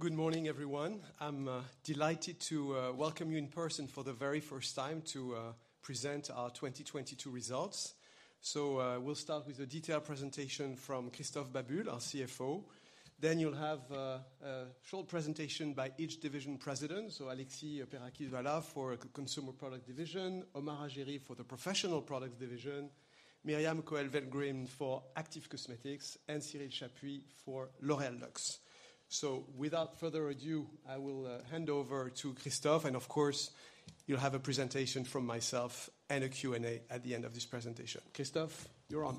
Good morning, everyone. I'm delighted to welcome you in person for the very first time to present our 2022 results. We'll start with a detailed presentation from Christophe Babule, our CFO. You'll have a short presentation by each division president, Alexis Perakis-Valat for Consumer Products Division, Omar Hajeri for the Professional Products Division, Myriam Cohen-Welgryn for Active Cosmetics Division, and Cyril Chapuy for L'Oréal Luxe. Without further ado, I will hand over to Christophe, and of course, you'll have a presentation from myself and a Q&A at the end of this presentation. Christophe, you're on.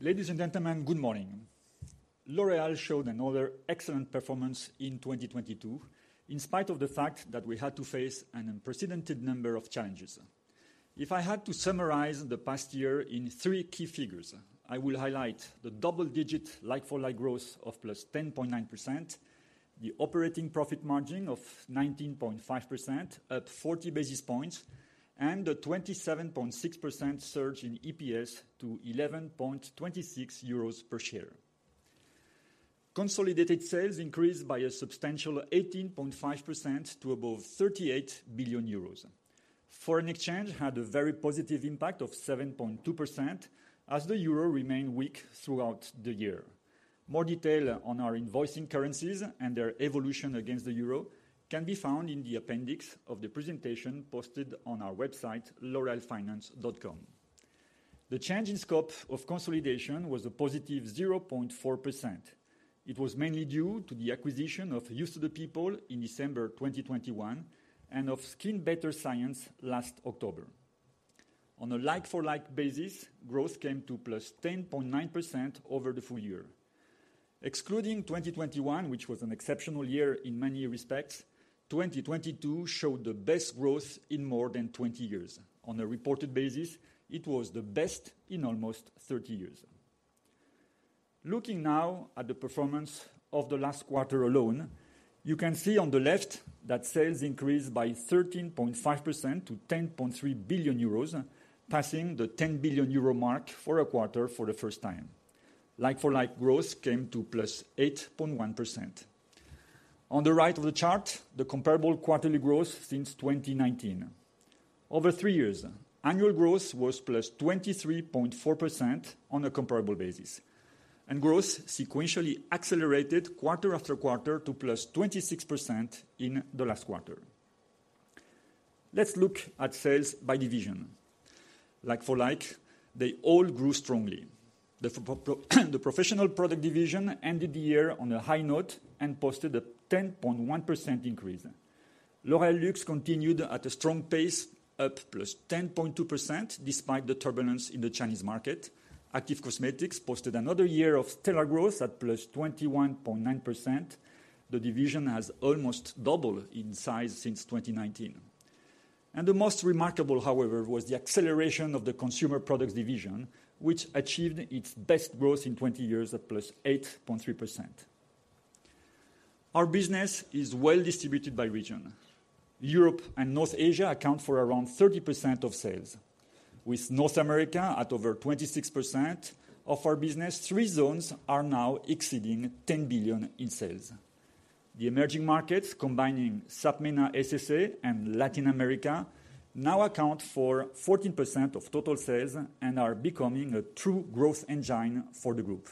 Ladies and gentlemen, good morning. L'Oréal showed another excellent performance in 2022, in spite of the fact that we had to face an unprecedented number of challenges. If I had to summarize the past year in three key figures, I will highlight the double-digit like-for-like growth of +10.9%, the operating profit margin of 19.5% at 40 basis points, and a 27.6% surge in EPS to 11.26 euros per share. Consolidated sales increased by a substantial 18.5% to above 38 billion euros. Foreign exchange had a very positive impact of 7.2% as the euro remained weak throughout the year. More detail on our invoicing currencies and their evolution against the euro can be found in the appendix of the presentation posted on our website, lorealfinance.com. The change in scope of consolidation was a +0.4%. It was mainly due to the acquisition of Youth To The People in December 2021 and of SkinBetter Science last October. On a like-for-like basis, growth came to +10.9% over the full year. Excluding 2021, which was an exceptional year in many respects, 2022 showed the best growth in more than 20 years. On a reported basis, it was the best in almost 30 years. Looking now at the performance of the last quarter alone, you can see on the left that sales increased by 13.5% to 10.3 billion euros, passing the 10 billion euro mark for a quarter for the first time. Like-for-like growth came to +8.1%. On the right of the chart, the comparable quarterly growth since 2019. Over three years, annual growth was +23.4% on a comparable basis, and growth sequentially accelerated quarter after quarter to +26% in the last quarter. Let's look at sales by division. Like-for-like, they all grew strongly. The Professional Products Division ended the year on a high note and posted a 10.1% increase. L'Oréal Luxe continued at a strong pace, up +10.2% despite the turbulence in the Chinese market. Active Cosmetics posted another year of stellar growth at +21.9%. The division has almost doubled in size since 2019. The most remarkable, however, was the acceleration of the Consumer Products Division, which achieved its best growth in 20 years at +8.3%. Our business is well distributed by region. Europe and North Asia account for around 30% of sales. With North America at over 26% of our business, three zones are now exceeding 10 billion in sales. The emerging markets, combining SAPMENA – SSA and Latin America, now account for 14% of total sales and are becoming a true growth engine for the group.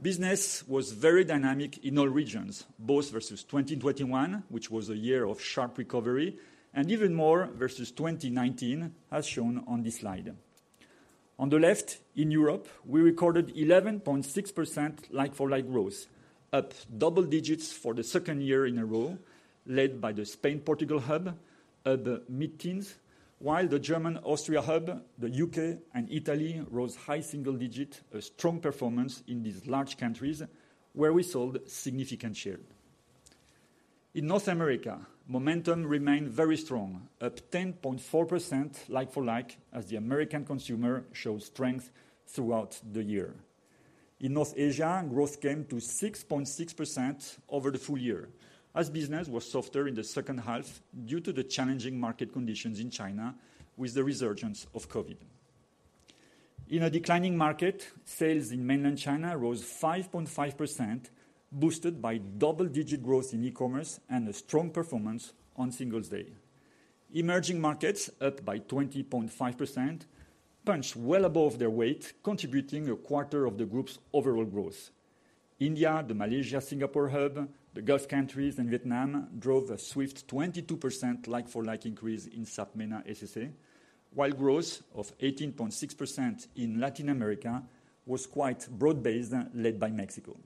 Business was very dynamic in all regions, both versus 2021, which was a year of sharp recovery, and even more versus 2019, as shown on this slide. On the left, in Europe, we recorded 11.6% like-for-like growth, up double digits for the second year in a row, led by the Spain/Portugal hub at the mid-teens, while the German/Austria hub, the U.K., and Italy rose high single digit, a strong performance in these large countries where we sold significant share. In North America, momentum remained very strong, up 10.4% like-for-like as the American consumer showed strength throughout the year. In North Asia, growth came to 6.6% over the full year as business was softer in the second half due to the challenging market conditions in China with the resurgence of COVID. In a declining market, sales in mainland China rose 5.5%, boosted by double-digit growth in e-commerce and a strong performance on Singles' Day. Emerging markets, up by 20.5%, punched well above their weight, contributing a quarter of the group's overall growth. India, the Malaysia/Singapore hub, the Gulf countries, and Vietnam drove a swift 22% like-for-like increase in SAPMENA – SSA, while growth of 18.6% in Latin America was quite broad-based, led by Mexico.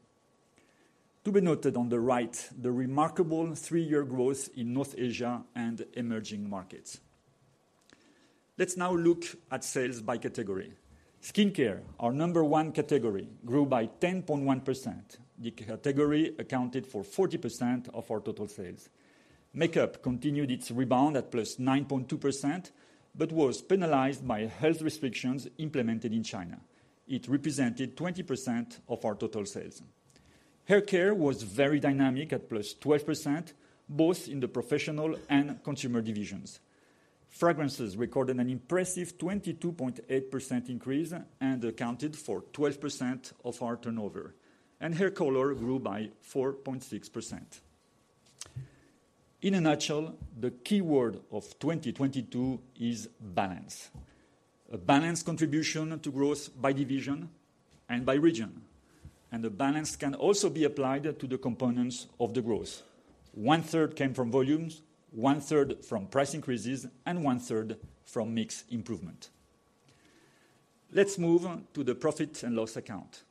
To be noted on the right, the remarkable three-year growth in North Asia and emerging markets. Let's now look at sales by category. Skincare, our number one category, grew by 10.1%. The category accounted for 40% of our total sales. Makeup continued its rebound at +9.2% but was penalized by health restrictions implemented in China. It represented 20% of our total sales. Hair care was very dynamic at +12%, both in the professional and consumer divisions. Fragrances recorded an impressive 22.8% increase and accounted for 12% of our turnover. Hair color grew by 4.6%. In a nutshell, the key word of 2022 is balance. A balanced contribution to growth by division and by region, and the balance can also be applied to the components of the growth. One third came from volumes, one third from price increases, and one third from mix improvement. Let's move on to the profit and loss account.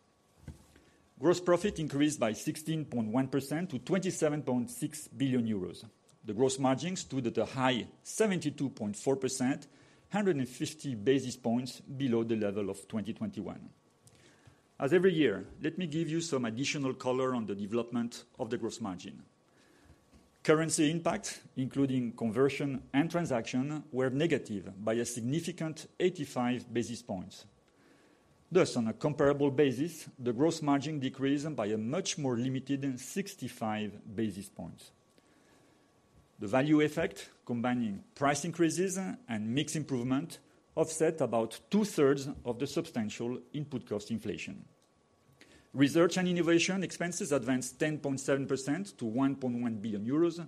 Gross profit increased by 16.1% to 27.6 billion euros. The gross margin stood at a high 72.4%, 150 basis points below the level of 2021. As every year, let me give you some additional color on the development of the gross margin. Currency impact, including conversion and transaction, were negative by a significant 85 basis points. On a comparable basis, the gross margin decreased by a much more limited 65 basis points. The value effect, combining price increases and mix improvement, offset about two-thirds of the substantial input cost inflation. Research and Innovation expenses advanced 10.7% to 1.1 billion euros.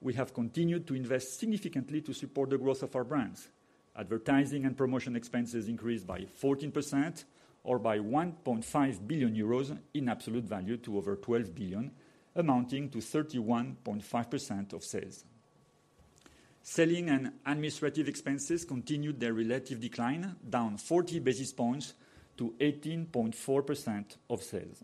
We have continued to invest significantly to support the growth of our brands. Advertising and Promotion expenses increased by 14% or by 1.5 billion euros in absolute value to over 12 billion, amounting to 31.5% of sales. Selling and Administrative expenses continued their relative decline, down 40 basis points to 18.4% of sales.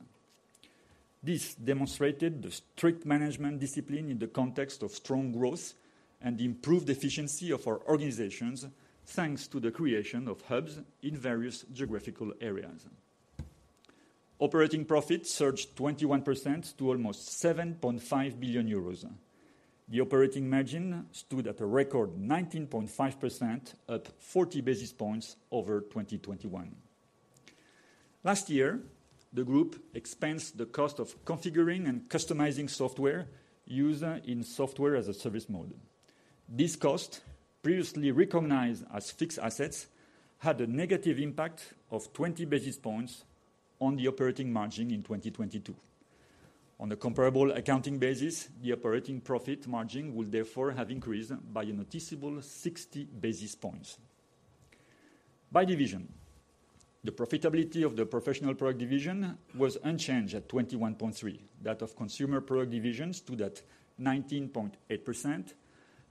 This demonstrated the strict management discipline in the context of strong growth and improved efficiency of our organizations, thanks to the creation of hubs in various geographical areas. Operating profits surged 21% to almost 7.5 billion euros. The operating margin stood at a record 19.5%, up 40 basis points over 2021. Last year, the group expensed the cost of configuring and customizing software used in software-as-a-service mode. This cost, previously recognized as fixed assets, had a negative impact of 20 basis points on the operating margin in 2022. On a comparable accounting basis, the operating profit margin will therefore have increased by a noticeable 60 basis points. By division, the profitability of the Professional Products Division was unchanged at 21.3. That of Consumer Products Divisions stood at 19.8%.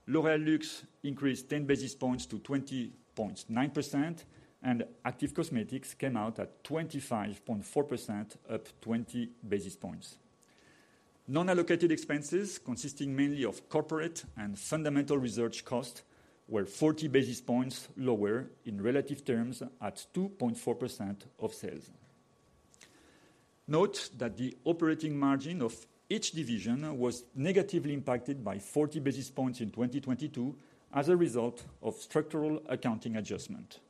L'Oréal Luxe increased 10 basis points to 20.9%, Active Cosmetics came out at 25.4%, up 20 basis points. Non-allocated expenses, consisting mainly of corporate and fundamental research costs, were 40 basis points lower in relative terms at 2.4% of sales. Note that the operating margin of each division was negatively impacted by 40 basis points in 2022 as a result of structural accounting adjustment.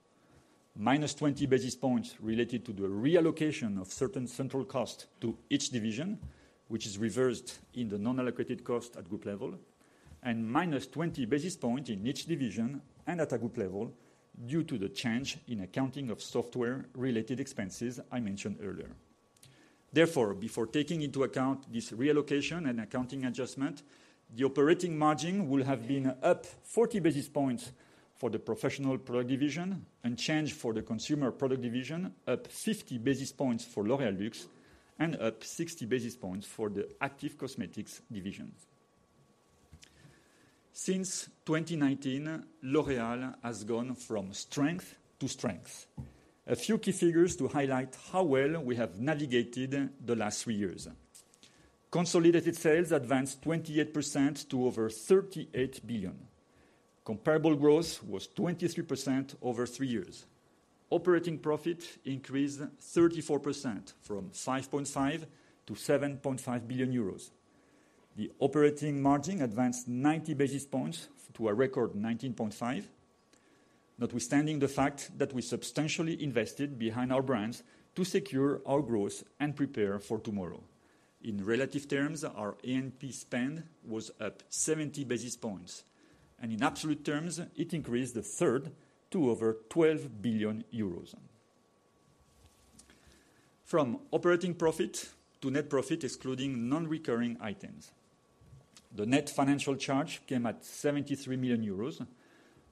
Minus 20 basis points related to the reallocation of certain central costs to each division, which is reversed in the non-allocated cost at group level, and minus 20 basis points in each division and at a group level due to the change in accounting of software-related expenses I mentioned earlier. Before taking into account this reallocation and accounting adjustment, the operating margin will have been up 40 basis points for the Professional Products Division, unchanged for the Consumer Products Division, up 50 basis points for L'Oréal Luxe, and up 60 basis points for the Active Cosmetics Division. Since 2019, L'Oréal has gone from strength to strength. A few key figures to highlight how well we have navigated the last three years. Consolidated sales advanced 28% to over 38 billion. Comparable growth was 23% over three years. Operating profit increased 34% from 5.5 billion-7.5 billion euros. The operating margin advanced 90 basis points to a record 19.5%, notwithstanding the fact that we substantially invested behind our brands to secure our growth and prepare for tomorrow. In relative terms, our A&P spend was up 70 basis points, and in absolute terms, it increased a third to over 12 billion euros. From operating profit to net profit, excluding non-recurring items, the net financial charge came at 73 million euros.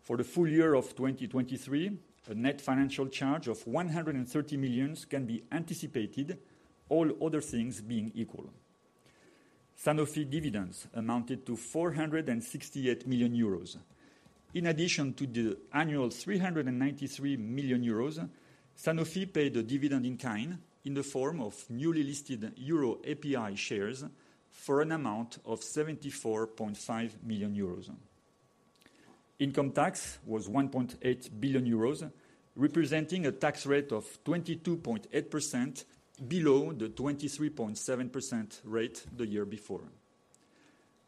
For the full year of 2023, a net financial charge of 130 million can be anticipated, all other things being equal. Sanofi dividends amounted to 468 million euros. In addition to the annual 393 million euros, Sanofi paid a dividend in kind in the form of newly listed EUROAPI shares for an amount of 74.5 million euros. Income tax was 1.8 billion euros, representing a tax rate of 22.8% below the 23.7% rate the year before.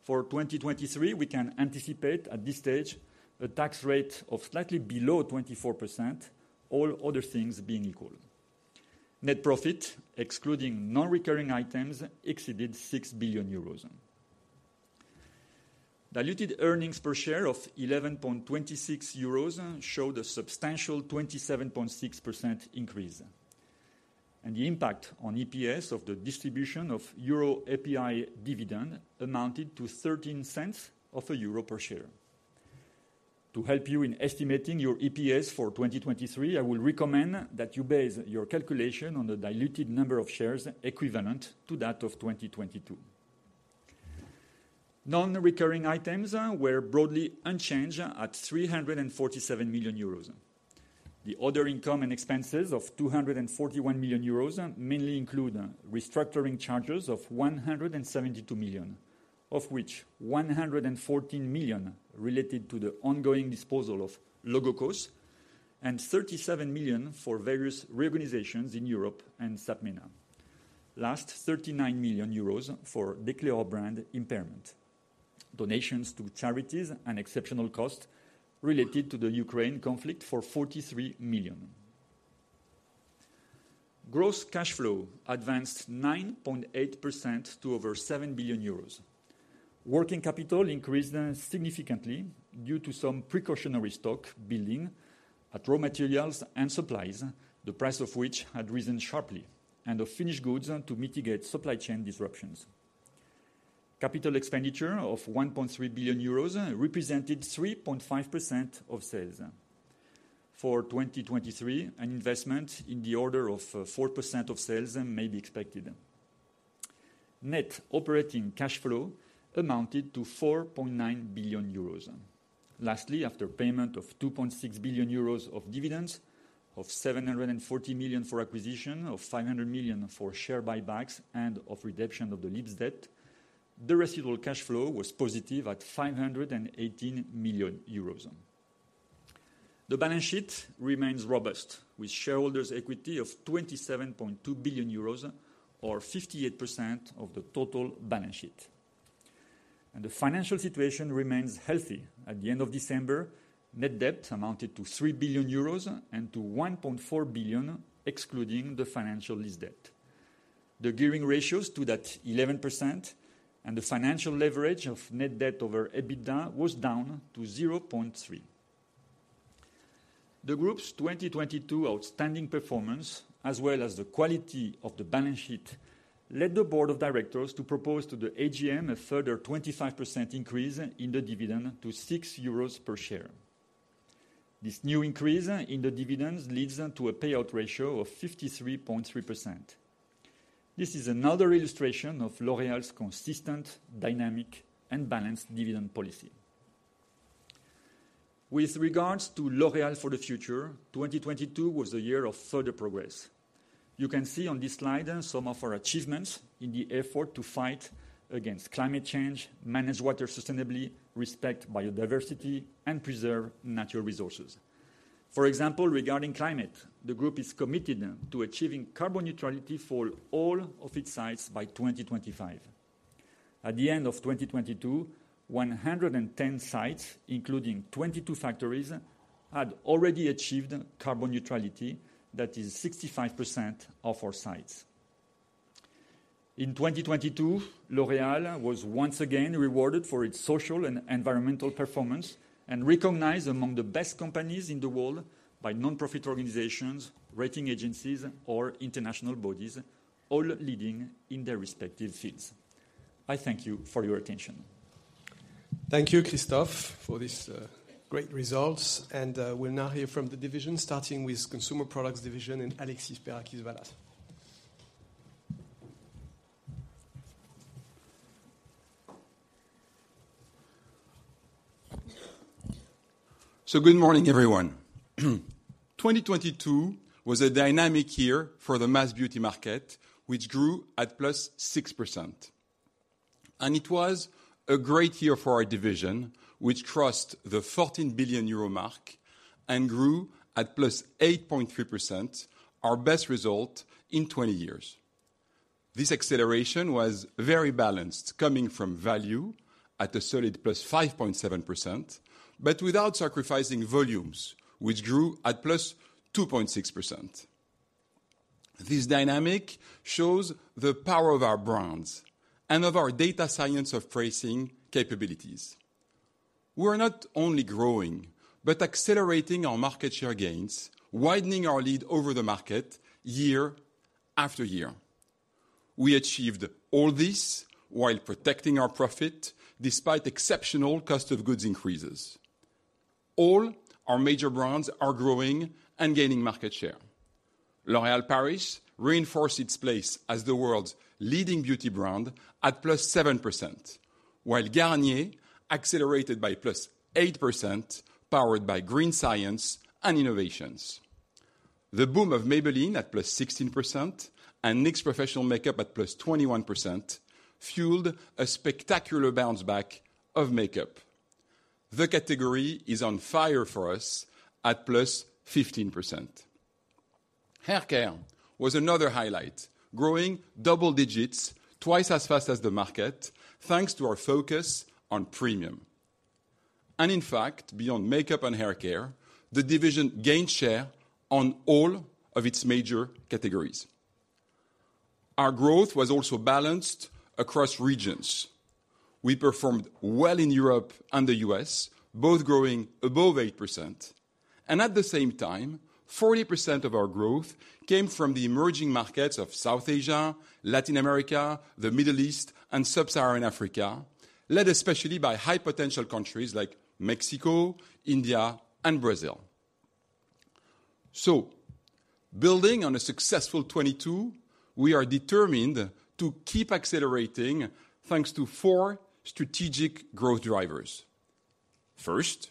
For 2023, we can anticipate at this stage a tax rate of slightly below 24%, all other things being equal. Net profit, excluding non-recurring items, exceeded 6 billion euros. Diluted earnings per share of 11.26 euros showed a substantial 27.6% increase. The impact on EPS of the distribution of EUROAPI dividend amounted to 0.13 per share. To help you in estimating your EPS for 2023, I will recommend that you base your calculation on the diluted number of shares equivalent to that of 2022. Non-recurring items were broadly unchanged at 347 million euros. The other income and expenses of 241 million euros mainly include restructuring charges of 172 million, of which 114 million related to the ongoing disposal of Logocos and 37 million for various reorganizations in Europe and SAPMENA. Last 39 million euros for Decléor brand impairment, donations to charities, and exceptional costs related to the Ukraine conflict for 43 million. Gross cash flow advanced 9.8% to over 7 billion euros. Working capital increased significantly due to some precautionary stock building at raw materials and supplies, the price of which had risen sharply, and of finished goods to mitigate supply chain disruptions. Capital expenditure of 1.3 billion euros represented 3.5% of sales. For 2023, an investment in the order of 4% of sales may be expected. Net operating cash flow amounted to 4.9 billion euros. Lastly, after payment of 2.6 billion euros of dividends, of 740 million for acquisition, of 500 million for share buybacks, and of redemption of the LEAPS debt, the residual cash flow was positive at 518 million euros. The balance sheet remains robust, with shareholders' equity of 27.2 billion euros or 58% of the total balance sheet. The financial situation remains healthy. At the end of December, net debt amounted to 3 billion euros and to 1.4 billion, excluding the financial lease debt. The gearing ratios stood at 11%, and the financial leverage of net debt over EBITDA was down to 0.3. The group's 2022 outstanding performance, as well as the quality of the balance sheet, led the board of directors to propose to the AGM a further 25% increase in the dividend to 6 euros per share. This new increase in the dividends leads to a payout ratio of 53.3%. This is another illustration of L'Oréal's consistent, dynamic, and balanced dividend policy. With regards to L'Oréal for the Future, 2022 was a year of further progress. You can see on this slide some of our achievements in the effort to fight against climate change, manage water sustainably, respect biodiversity, and preserve natural resources. For example, regarding climate, the group is committed to achieving carbon neutrality for all of its sites by 2025. At the end of 2022, 110 sites, including 22 factories, had already achieved carbon neutrality, that is 65% of our sites. In 2022, L'Oréal was once again rewarded for its social and environmental performance and recognized among the best companies in the world by nonprofit organizations, rating agencies, or international bodies, all leading in their respective fields. I thank you for your attention. Thank you, Christophe, for this, great results. We'll now hear from the Division, starting with Consumer Products Division and Alexis Perakis-Valat. Good morning, everyone. 2022 was a dynamic year for the mass beauty market, which grew at +6%. It was a great year for our division, which crossed the 14 billion euro mark and grew at +8.3%, our best result in 20 years. This acceleration was very balanced, coming from value at a solid +5.7%, but without sacrificing volumes, which grew at +2.6%. This dynamic shows the power of our brands and of our data science of pricing capabilities. We're not only growing, but accelerating our market share gains, widening our lead over the market year after year. We achieved all this while protecting our profit despite exceptional cost of goods increases. All our major brands are growing and gaining market share. L'Oréal Paris reinforced its place as the world's leading beauty brand at +7%, while Garnier accelerated by +8%, powered by green science and innovations. The boom of Maybelline at +16% and NYX Professional Makeup at +21% fueled a spectacular bounce back of makeup. The category is on fire for us at +15%. Hair care was another highlight, growing double digits twice as fast as the market, thanks to our focus on premium. In fact, beyond makeup and hair care, the division gained share on all of its major categories. Our growth was also balanced across regions. We performed well in Europe and the U.S., both growing above 8%. At the same time, 40% of our growth came from the emerging markets of South Asia, Latin America, the Middle East, and Sub-Saharan Africa, led especially by high-potential countries like Mexico, India, and Brazil. Building on a successful 2022, we are determined to keep accelerating thanks to four strategic growth drivers. First,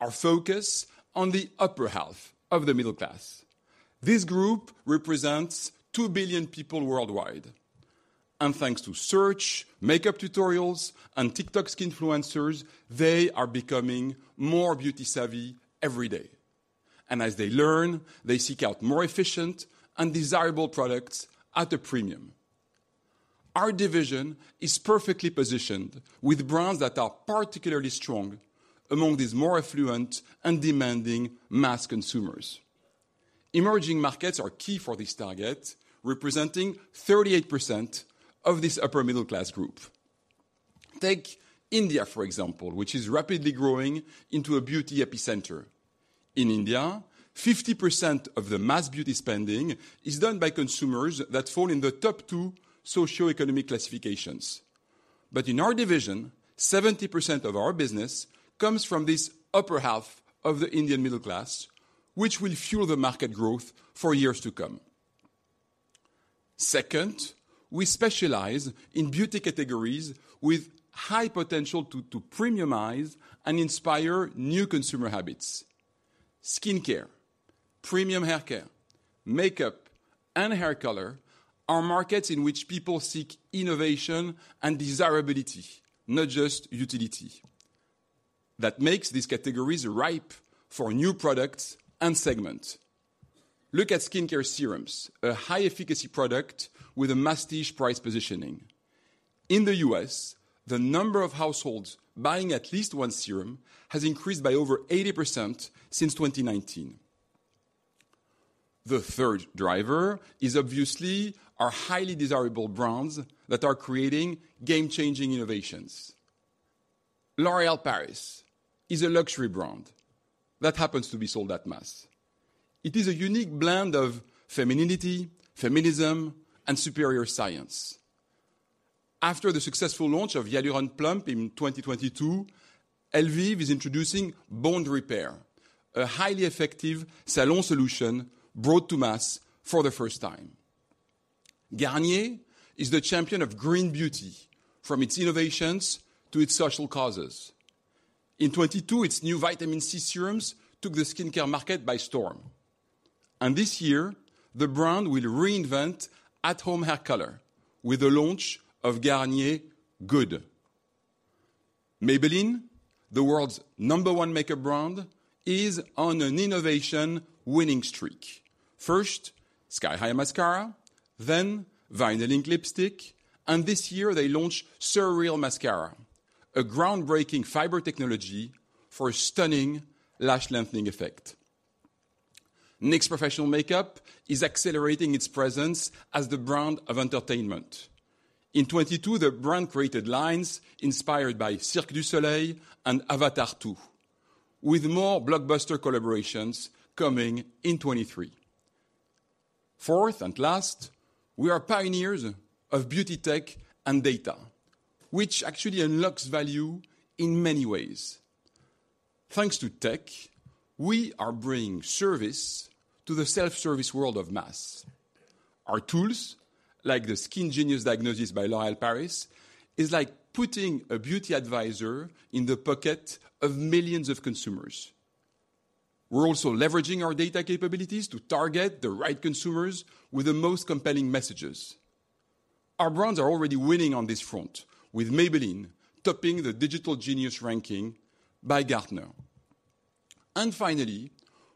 our focus on the upper half of the middle class. This group represents 2 billion people worldwide. Thanks to search, makeup tutorials, and TikTok skinfluencers, they are becoming more beauty-savvy every day. As they learn, they seek out more efficient and desirable products at a premium. Our division is perfectly positioned with brands that are particularly strong among these more affluent and demanding mass consumers. Emerging markets are key for this target, representing 38% of this upper middle class group. Take India, for example, which is rapidly growing into a beauty epicenter. In India, 50% of the mass beauty spending is done by consumers that fall in the top two socioeconomic classifications. In our division, 70% of our business comes from this upper half of the Indian middle class, which will fuel the market growth for years to come. Second, we specialize in beauty categories with high potential to premiumize and inspire new consumer habits. Skincare, premium haircare, makeup, and hair color are markets in which people seek innovation and desirability, not just utility. That makes these categories ripe for new products and segments. Look at skincare serums, a high-efficacy product with a prestige price positioning. In the U.S., the number of households buying at least 1 serum has increased by over 80% since 2019. The third driver is obviously our highly desirable brands that are creating game-changing innovations. L'Oréal Paris is a luxury brand that happens to be sold at mass. It is a unique blend of femininity, feminism, and superior science. After the successful launch of Hyaluron Plump in 2022, Elvive is introducing Bond Repair, a highly effective salon solution brought to mass for the first time. Garnier is the champion of green beauty, from its innovations to its social causes. In 2022, its new Vitamin C Serums took the skincare market by storm. This year, the brand will reinvent at-home hair color with the launch of Garnier Good. Maybelline, the world's number one makeup brand, is on an innovation winning streak. First, Sky High Mascara, then Vinyl Ink Lipstick, and this year they launched Surreal Mascara, a groundbreaking fiber technology for a stunning lash-lengthening effect. NYX Professional Makeup is accelerating its presence as the brand of entertainment. In 2022, the brand created lines inspired by Cirque du Soleil and Avatar 2, with more blockbuster collaborations coming in 2023. Fourth and last, we are pioneers of beauty tech and data, which actually unlocks value in many ways. Thanks to tech, we are bringing service to the self-service world of mass. Our tools, like the Skin Genius diagnosis by L'Oréal Paris, is like putting a beauty advisor in the pocket of millions of consumers. We're also leveraging our data capabilities to target the right consumers with the most compelling messages. Our brands are already winning on this front, with Maybelline topping the Digital IQ ranking by Gartner. Finally,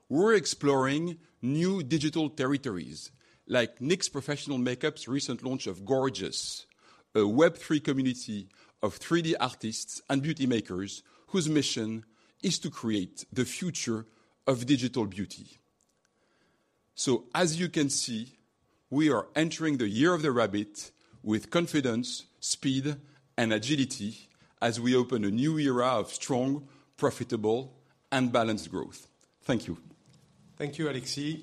we're exploring new digital territories, like NYX Professional Makeup's recent launch of GORJS, a Web3 community of 3D artists and beauty makers whose mission is to create the future of digital beauty. As you can see, we are entering the Year of the Rabbit with confidence, speed, and agility as we open a new era of strong, profitable, and balanced growth. Thank you. Thank you, Alexis.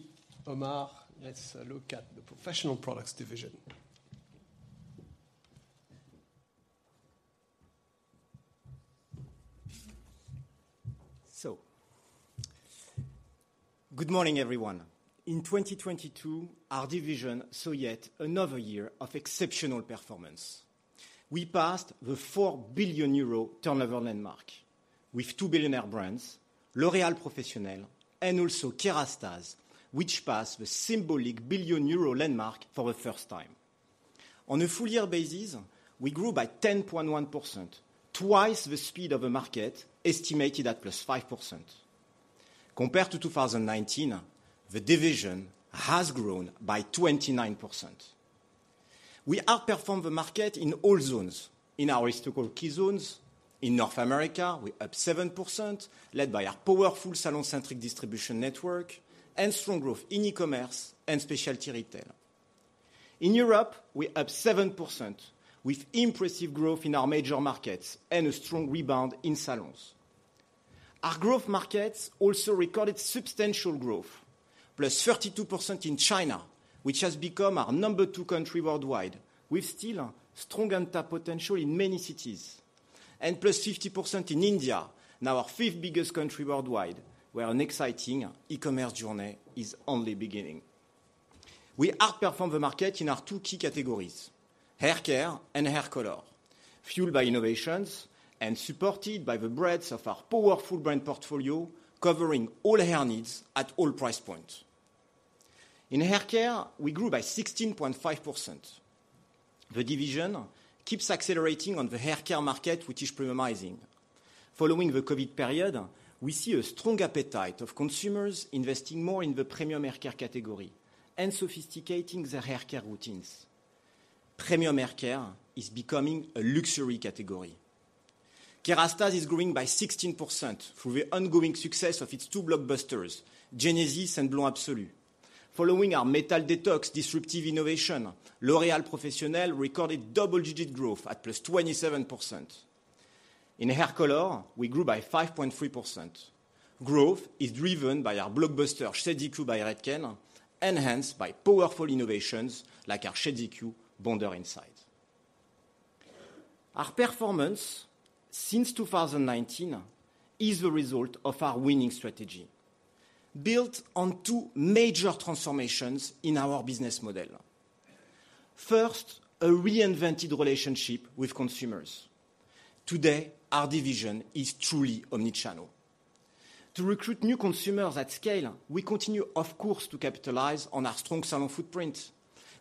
Omar, let's look at the Professional Products Division. Good morning, everyone. In 2022, our division saw yet another year of exceptional performance. We passed the 4 billion euro turnover landmark with two billionaire brands, L'Oréal Professionnel and also Kérastase, which passed the symbolic 1 billion euro landmark for the first time. On a full year basis, we grew by 10.1%, twice the speed of the market, estimated at +5%. Compared to 2019, the division has grown by 29%. We outperform the market in all zones. In our historical key zones, in North America, we're up +7%, led by our powerful salon-centric distribution network and strong growth in e-commerce and specialty retail. In Europe, we're up +7% with impressive growth in our major markets and a strong rebound in salons. Our growth markets also recorded substantial growth, plus 32% in China, which has become our number two country worldwide, with still strong and top potential in many cities. Plus 50% in India, now our fifth biggest country worldwide, where an exciting e-commerce journey is only beginning. We outperform the market in our two key categories, haircare and hair color, fueled by innovations and supported by the breadth of our powerful brand portfolio, covering all hair needs at all price points. In haircare, we grew by 16.5%. The division keeps accelerating on the haircare market, which is premiumizing. Following the COVID period, we see a strong appetite of consumers investing more in the premium haircare category and sophisticating their haircare routines. Premium haircare is becoming a luxury category. Kérastase is growing by 16% through the ongoing success of its two blockbusters, Genesis and Blond Absolu. Following our Metal Detox disruptive innovation, L'Oréal Professionnel recorded double-digit growth at +27%. In hair color, we grew by 5.3%. Growth is driven by our blockbuster Shades EQ by Redken, enhanced by powerful innovations like our Shades EQ Bonder Inside. Our performance since 2019 is the result of our winning strategy, built on two major transformations in our business model. First, a reinvented relationship with consumers. Today, our division is truly omnichannel. To recruit new consumers at scale, we continue, of course, to capitalize on our strong salon footprint.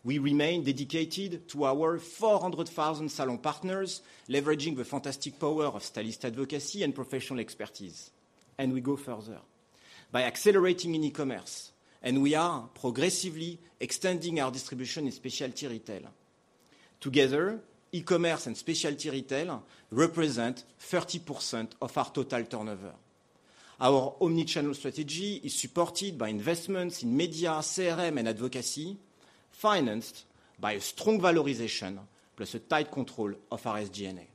We remain dedicated to our 400,000 salon partners, leveraging the fantastic power of stylist advocacy and professional expertise. We go further by accelerating in e-commerce, and we are progressively extending our distribution in specialty retail. Together, e-commerce and specialty retail represent 30% of our total turnover. Our omnichannel strategy is supported by investments in media, CRM, and advocacy, financed by a strong valorization plus a tight control of our SG&A.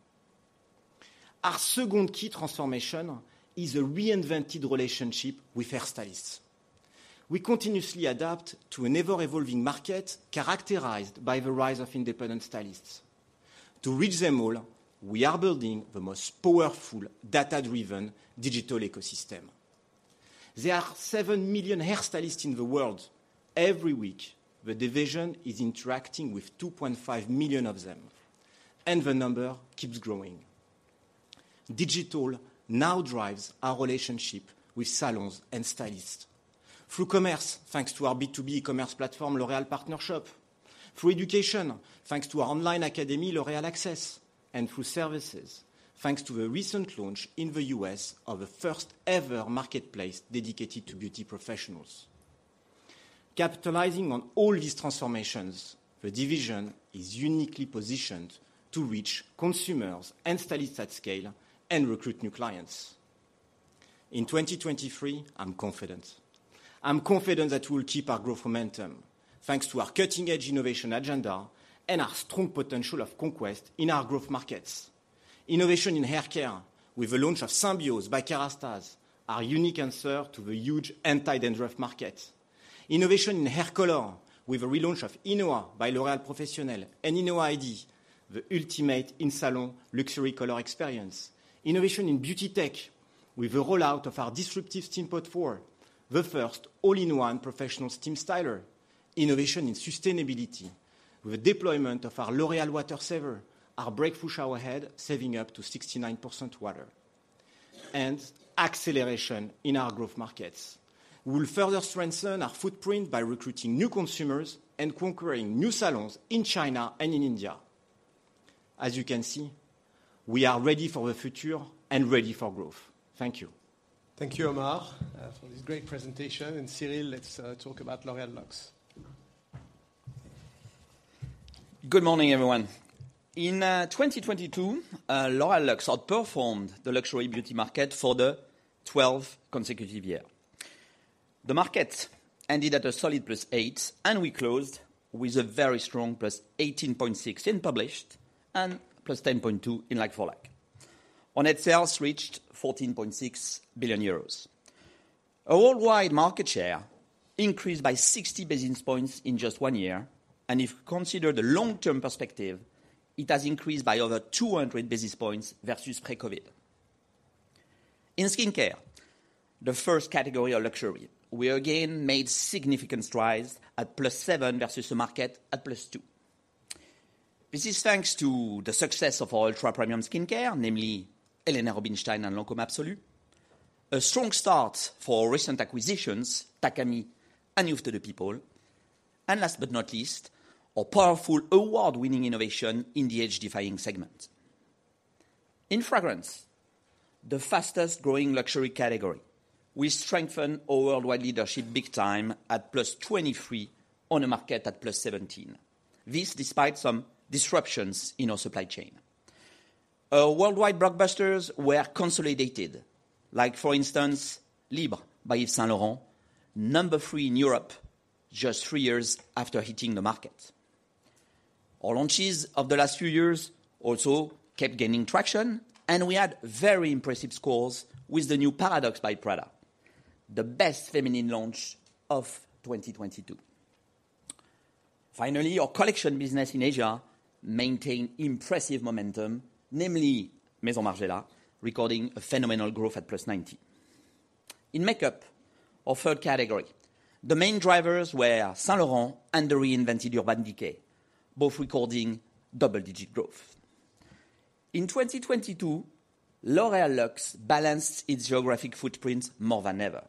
Our second key transformation is a reinvented relationship with hair stylists. We continuously adapt to an ever-evolving market characterized by the rise of independent stylists. To reach them all, we are building the most powerful data-driven digital ecosystem. There are 7 million hair stylists in the world. Every week, the division is interacting with 2.5 million of them, and the number keeps growing. Digital now drives our relationship with salons and stylists through commerce, thanks to our B2B e-commerce platform, L'Oréal Partner Shop, through education, thanks to our online academy, L'Oréal Access, and through services, thanks to the recent launch in the US of the first ever marketplace dedicated to beauty professionals. Capitalizing on all these transformations, the division is uniquely positioned to reach consumers and stylists at scale and recruit new clients. In 2023, I'm confident that we'll keep our growth momentum thanks to our cutting-edge innovation agenda and our strong potential of conquest in our growth markets. Innovation in haircare with the launch of Symbiose by Kérastase, our unique answer to the huge anti-dandruff market. Innovation in hair color with the relaunch of INOA by L'Oréal Professionnel and INOA ID, the ultimate in-salon luxury color experience. Innovation in beauty tech with the rollout of our disruptive Steampod4, the first all-in-one professional steam styler. Innovation in sustainability with the deployment of our L'Oréal Water Saver, our breakthrough shower head, saving up to 69% water. Acceleration in our growth markets. We will further strengthen our footprint by recruiting new consumers and conquering new salons in China and in India. As you can see, we are ready for the future and ready for growth. Thank you. Thank you, Omar, for this great presentation. Cyril, let's talk about L'Oréal Luxe. Good morning, everyone. In 2022, L'Oréal Luxe outperformed the luxury beauty market for the twelfth consecutive year. The market ended at a solid +8%, we closed with a very strong +18.6% in published and +10.2% in like-for-like. On it, sales reached 14.6 billion euros. Our worldwide market share increased by 60 basis points in just one year, and if considered a long-term perspective, it has increased by over 200 basis points versus pre-Covid. In skincare, the first category of luxury, we again made significant strides at +7% versus the market at +2%. This is thanks to the success of our ultra-premium skincare, namely Helena Rubinstein and Lancôme Absolue. A strong start for our recent acquisitions, Takami and Youth To The People. Last but not least, a powerful award-winning innovation in the age-defying segment. In fragrance, the fastest growing luxury category, we strengthen our worldwide leadership big time at +23% on a market at +17%. This despite some disruptions in our supply chain. Our worldwide blockbusters were consolidated, like for instance, Libre by Yves Saint Laurent, number three in Europe just three years after hitting the market. Our launches of the last few years also kept gaining traction, and we had very impressive scores with the new Paradoxe by Prada, the best feminine launch of 2022. Finally, our collection business in Asia maintained impressive momentum, namely Maison Margiela, recording a phenomenal growth at +90%. In makeup, our third category, the main drivers were Saint Laurent and the reinvented Urban Decay, both recording double-digit growth. In 2022, L'Oréal Luxe balanced its geographic footprint more than ever.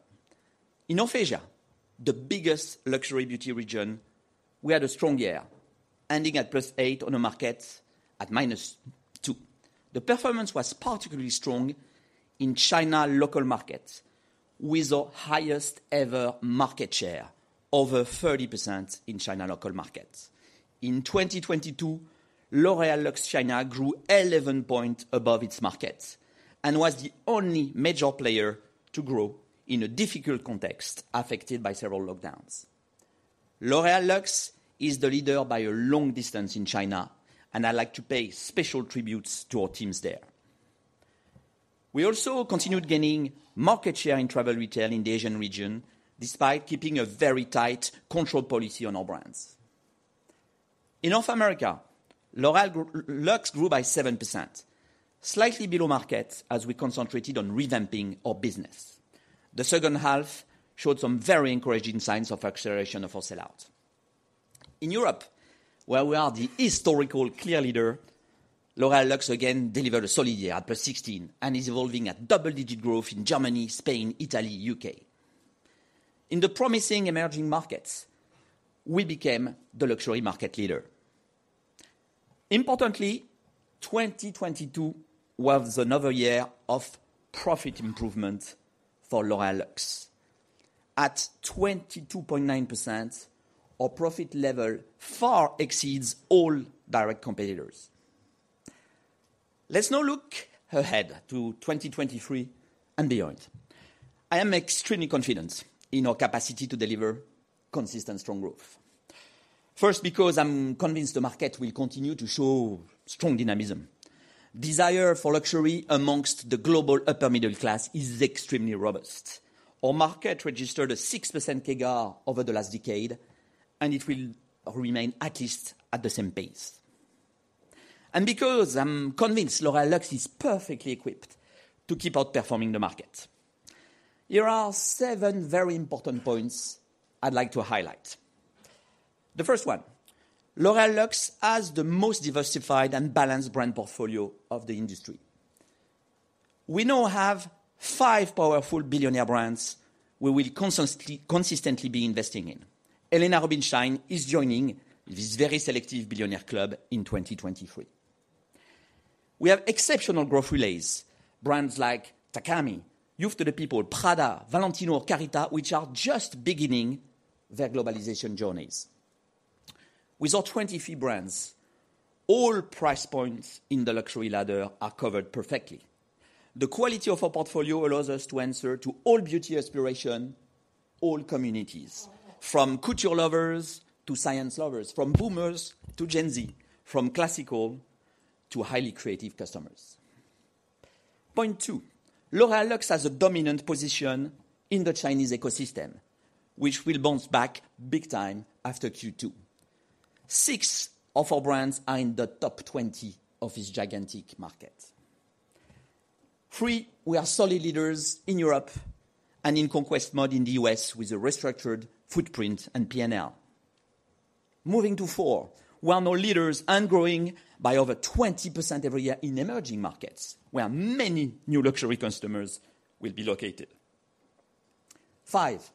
In North Asia, the biggest luxury beauty region, we had a strong year, ending at +8% on a market at -2%. The performance was particularly strong in China local market, with our highest ever market share, over 30% in China local markets. In 2022, L'Oréal Luxe China grew 11 points above its market and was the only major player to grow in a difficult context affected by several lockdowns. L'Oréal Luxe is the leader by a long distance in China, and I like to pay special tributes to our teams there. We also continued gaining market share in travel retail in the Asian region, despite keeping a very tight control policy on our brands. In North America, L'Oréal Luxe grew by 7%, slightly below market as we concentrated on revamping our business. The second half showed some very encouraging signs of acceleration of our sell-out. In Europe, where we are the historical clear leader, L'Oréal Luxe again delivered a solid year at +16% and is evolving at double-digit growth in Germany, Spain, Italy, U.K. In the promising emerging markets, we became the luxury market leader. Importantly, 2022 was another year of profit improvement for L'Oréal Luxe. At 22.9%, our profit level far exceeds all direct competitors. Let's now look ahead to 2023 and beyond. I am extremely confident in our capacity to deliver consistent, strong growth. First, because I'm convinced the market will continue to show strong dynamism. Desire for luxury amongst the global upper middle class is extremely robust. Our market registered a 6% CAGR over the last decade, and it will remain at least at the same pace. Because I'm convinced L'Oréal Luxe is perfectly equipped to keep outperforming the market. Here are seven very important points I'd like to highlight. The first one, L'Oréal Luxe has the most diversified and balanced brand portfolio of the industry. We now have five powerful billionaire brands we will consistently be investing in. Helena Rubinstein is joining this very selective billionaire club in 2023. We have exceptional growth relays, brands like Takami, Youth To The People, Prada, Valentino, Carita, which are just beginning their globalization journeys. With our 23 brands, all price points in the luxury ladder are covered perfectly. The quality of our portfolio allows us to answer to all beauty aspiration, all communities, from couture lovers to science lovers, from boomers to Gen Z, from classical to highly creative customers. Point two. L'Oréal Luxe has a dominant position in the Chinese ecosystem, which will bounce back big time after Q2. Six of our brands are in the top 20 of this gigantic market. Three. We are solid leaders in Europe and in conquest mode in the U.S. with a restructured footprint and P&L. Moving to four. We are more leaders and growing by over 20% every year in emerging markets where many new luxury customers will be located. Five.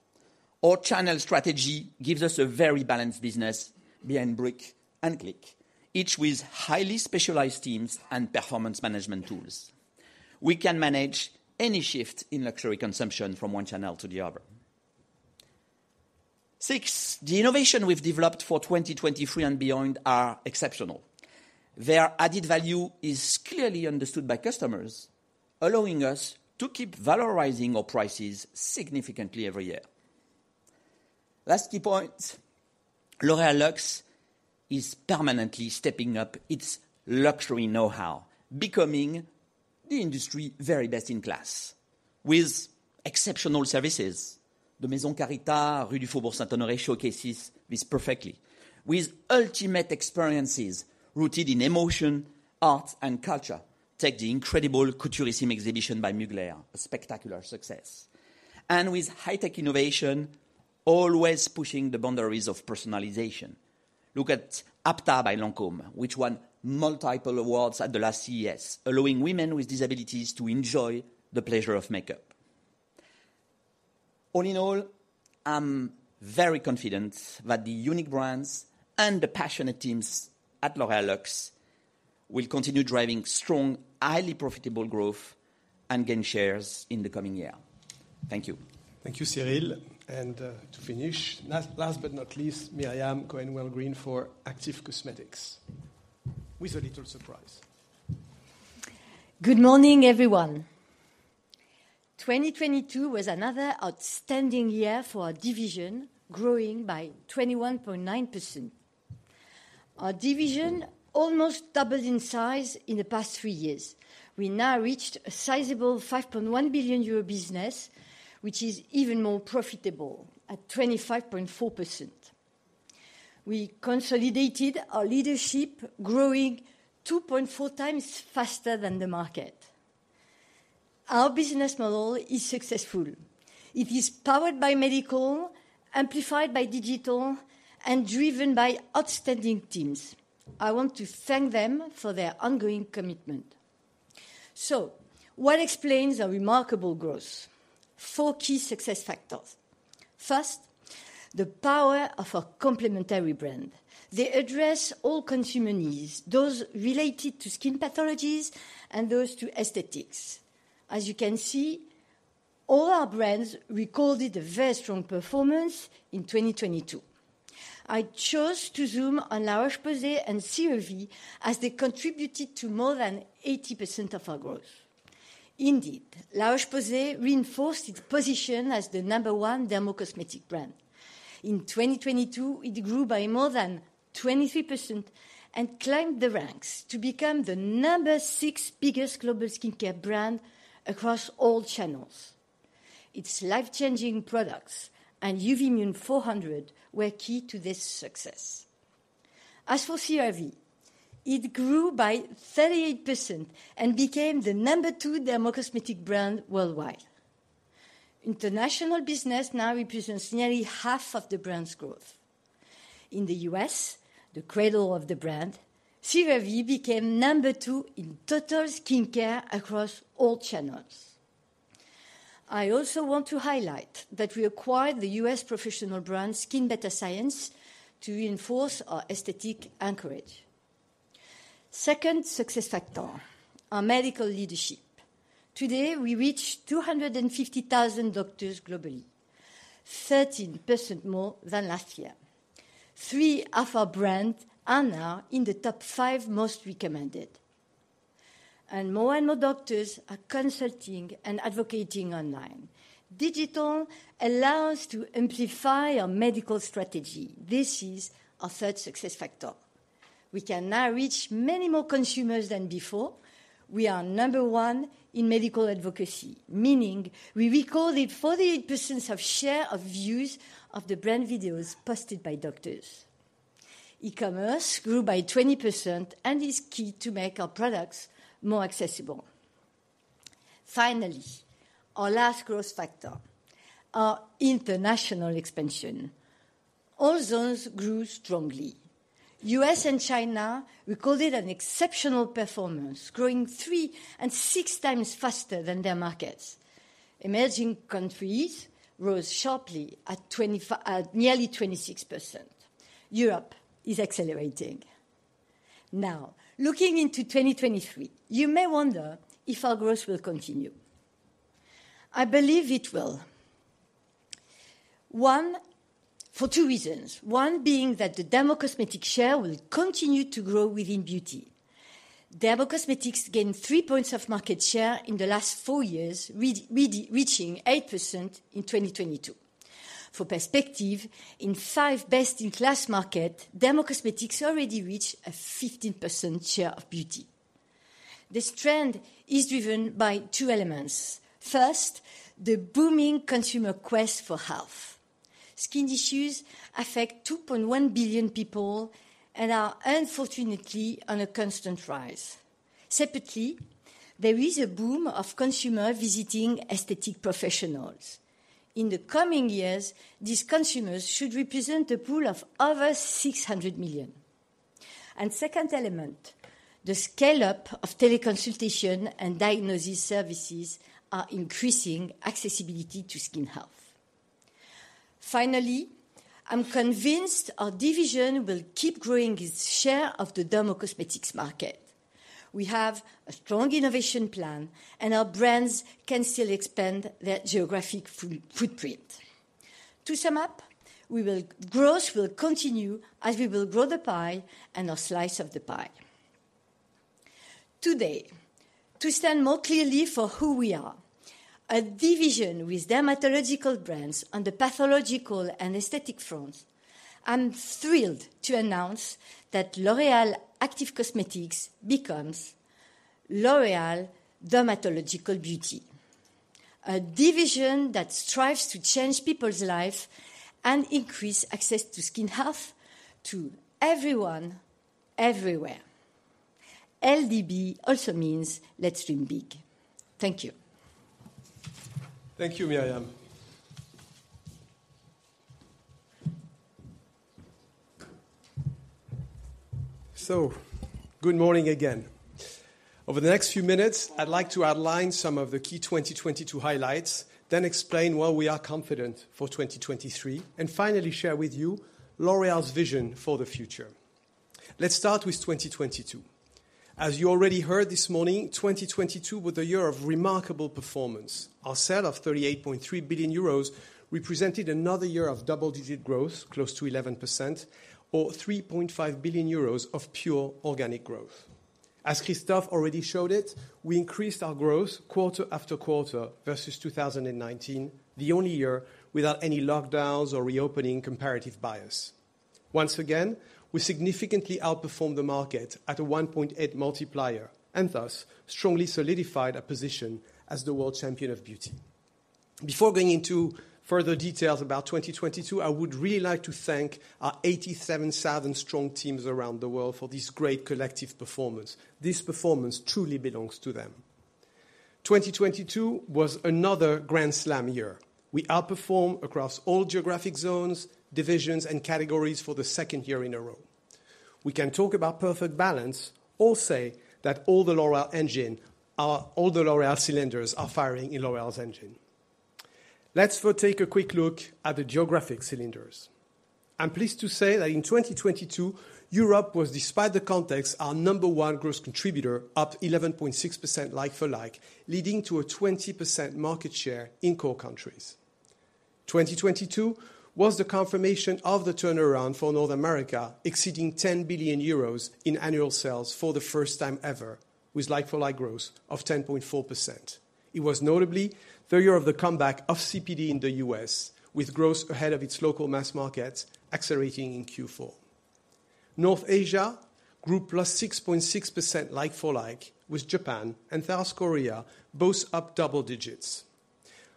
Our channel strategy gives us a very balanced business behind brick and click, each with highly specialized teams and performance management tools. We can manage any shift in luxury consumption from one channel to the other. Six. The innovation we've developed for 2023 and beyond are exceptional. Their added value is clearly understood by customers, allowing us to keep valorizing our prices significantly every year. Last key point, L'Oréal Luxe is permanently stepping up its luxury know-how, becoming the industry very best in class with exceptional services. The Maison Carita, Rue du Faubourg Saint-Honoré, showcases this perfectly. With ultimate experiences rooted in emotion, art, and culture, take the incredible Couturissime exhibition by Mugler, a spectacular success. With high-tech innovation always pushing the boundaries of personalization. Look at HAPTA by Lancôme, which won multiple awards at the last CES, allowing women with disabilities to enjoy the pleasure of makeup. All in all, I'm very confident that the unique brands and the passionate teams at L'Oréal Luxe will continue driving strong, highly profitable growth and gain shares in the coming year. Thank you. Thank you, Cyril. To finish, last but not least, Myriam Cohen-Welgryn for Active Cosmetics, with a little surprise. Good morning, everyone. 2022 was another outstanding year for our division, growing by 21.9%. Our division almost doubled in size in the past three years. We now reached a sizable 5.1 billion euro business, which is even more profitable at 25.4%. We consolidated our leadership, growing 2.4 times faster than the market. Our business model is successful. It is powered by medical, amplified by digital, and driven by outstanding teams. I want to thank them for their ongoing commitment. What explains our remarkable growth? Four key success factors. First, the power of our complementary brand. They address all consumer needs, those related to skin pathologies and those to aesthetics. As you can see, all our brands recorded a very strong performance in 2022. I chose to zoom on La Roche-Posay and CeraVe as they contributed to more than 80% of our growth. Indeed, La Roche-Posay reinforced its position as the number one dermocosmetic brand. In 2022, it grew by more than 23% and climbed the ranks to become the number six biggest global skincare brand across all channels. Its life-changing products and UVMune 400 were key to this success. As for CeraVe, it grew by 38% and became the number two dermocosmetic brand worldwide. International business now represents nearly half of the brand's growth. In the U.S., the cradle of the brand, CeraVe became number two in total skincare across all channels. I also want to highlight that we acquired the U.S. professional brand SkinBetter Science to reinforce our aesthetic anchorage. Second success factor, our medical leadership. Today, we reach 250,000 doctors globally, 13% more than last year. Three of our brands are now in the top five most recommended, and more and more doctors are consulting and advocating online. Digital allows to amplify our medical strategy. This is our third success factor. We can now reach many more consumers than before. We are number 1 in medical advocacy, meaning we recorded 48% of share of views of the brand videos posted by doctors. E-commerce grew by 20% and is key to make our products more accessible. Finally, our last growth factor, our international expansion. All zones grew strongly. U.S. and China recorded an exceptional performance, growing three and six times faster than their markets. Emerging countries rose sharply at nearly 26%. Europe is accelerating. Looking into 2023, you may wonder if our growth will continue. I believe it will. For two reasons. One being that the dermocosmetic share will continue to grow within beauty. Dermocosmetics gained 3 points of market share in the last four years, reaching 8% in 2022. For perspective, in five best-in-class market, dermocosmetics already reached a 15% share of beauty. This trend is driven by two elements. First, the booming consumer quest for health. Skin issues affect 2.1 billion people and are unfortunately on a constant rise. Separately, there is a boom of consumer visiting aesthetic professionals. In the coming years, these consumers should represent a pool of over 600 million. Second element, the scale-up of teleconsultation and diagnosis services are increasing accessibility to skin health. Finally, I'm convinced our division will keep growing its share of the dermocosmetics market. We have a strong innovation plan, our brands can still expand their geographic footprint. To sum up, growth will continue as we will grow the pie and our slice of the pie. Today, to stand more clearly for who we are, a division with dermatological brands on the pathological and aesthetic front, I'm thrilled to announce that L'Oréal Active Cosmetics becomes L'Oréal Dermatological Beauty, a division that strives to change people's life and increase access to skin health to everyone, everywhere. LDB also means let's dream big. Thank you. Thank you, Myriam. Good morning again. Over the next few minutes, I'd like to outline some of the key 2022 highlights, then explain why we are confident for 2023, and finally share with you L'Oréal's vision for the future. Let's start with 2022. As you already heard this morning, 2022 was a year of remarkable performance. Our sale of 38.3 billion euros represented another year of double-digit growth, close to 11% or 3.5 billion euros of pure organic growth. As Christophe already showed it, we increased our growth quarter after quarter versus 2019, the only year without any lockdowns or reopening comparative bias. Once again, we significantly outperformed the market at a 1.8x multiplier and thus strongly solidified our position as the world champion of beauty. Before going into further details about 2022, I would really like to thank our 87,000 strong teams around the world for this great collective performance. This performance truly belongs to them. 2022 was another Grand Slam year. We outperformed across all geographic zones, divisions, and categories for the second year in a row. We can talk about perfect balance or say that all the L'Oréal cylinders are firing in L'Oréal's engine. Let's take a quick look at the geographic cylinders. I'm pleased to say that in 2022, Europe was, despite the context, our number one gross contributor, up 11.6% like-for-like, leading to a 20% market share in core countries. 2022 was the confirmation of the turnaround for North America, exceeding 10 billion euros in annual sales for the first time ever, with like-for-like growth of 10.4%. It was notably the year of the comeback of CPD in the U.S., with growth ahead of its local mass market accelerating in Q4. North Asia grew +6.6% like-for-like, with Japan and South Korea both up double digits.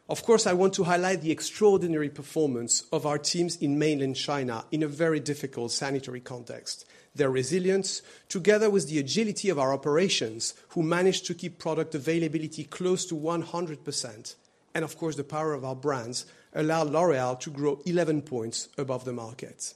Of course, I want to highlight the extraordinary performance of our teams in mainland China in a very difficult sanitary context. Their resilience, together with the agility of our operations, who managed to keep product availability close to 100%, and of course, the power of our brands allowed L'Oréal to grow 11 points above the market.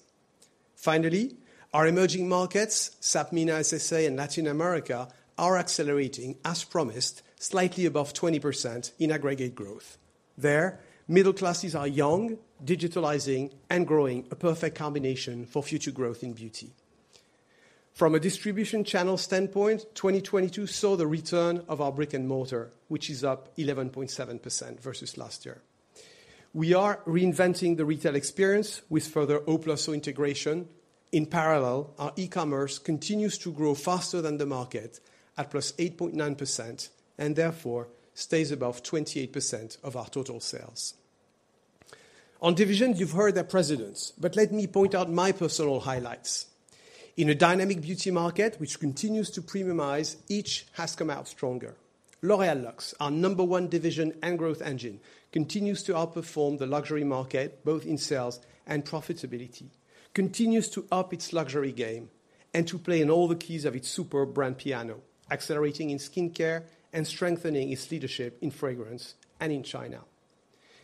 Our emerging markets, SAP, MENA, SSA, and Latin America, are accelerating as promised, slightly above 20% in aggregate growth. There, middle classes are young, digitalizing, and growing, a perfect combination for future growth in beauty. From a distribution channel standpoint, 2022 saw the return of our brick and mortar, which is up 11.7% versus last year. We are reinventing the retail experience with further O+O integration. Our e-commerce continues to grow faster than the market at +8.9% and therefore stays above 28% of our total sales. You've heard the presidents, but let me point out my personal highlights. In a dynamic beauty market, which continues to premiumize, each has come out stronger. L'Oréal Luxe, our number one division and growth engine, continues to outperform the luxury market, both in sales and profitability, continues to up its luxury game, and to play in all the keys of its superb brand piano, accelerating in skincare and strengthening its leadership in fragrance and in China.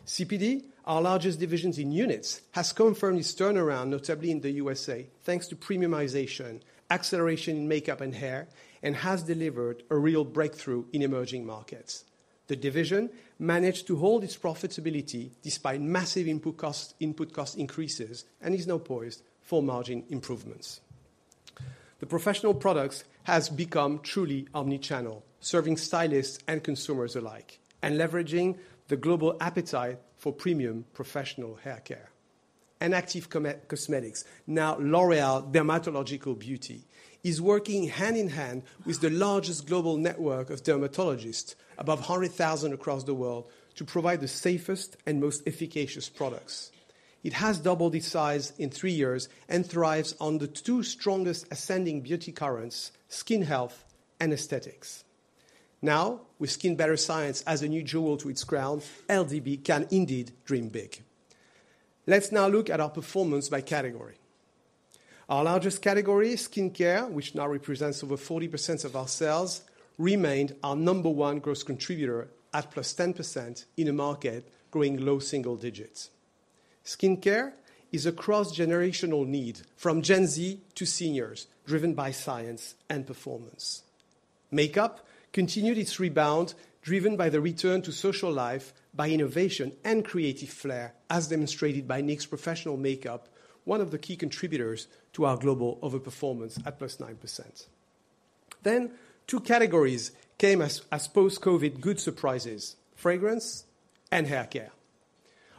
CPD, our largest divisions in units, has confirmed its turnaround, notably in the USA, thanks to premiumization, acceleration in makeup and hair, and has delivered a real breakthrough in emerging markets. The division managed to hold its profitability despite massive input cost increases and is now poised for margin improvements. The Professional Products has become truly omni-channel, serving stylists and consumers alike and leveraging the global appetite for premium professional haircare. Active Cosmetics, now L'Oréal Dermatological Beauty, is working hand in hand with the largest global network of dermatologists, above 100,000 across the world, to provide the safest and most efficacious products. It has doubled its size in three years and thrives on the two strongest ascending beauty currents: skin health and aesthetics. Now, with SkinBetter Science as a new jewel to its crown, LDB can indeed dream big. Let's now look at our performance by category. Our largest category, skincare, which now represents over 40% of our sales, remained our number one gross contributor at +10% in a market growing low single digits. Skincare is a cross-generational need from Gen Z to seniors, driven by science and performance. Makeup continued its rebound, driven by the return to social life by innovation and creative flair, as demonstrated by NYX Professional Makeup, one of the key contributors to our global overperformance at +9%. Two categories came as post-COVID good surprises: fragrance and haircare.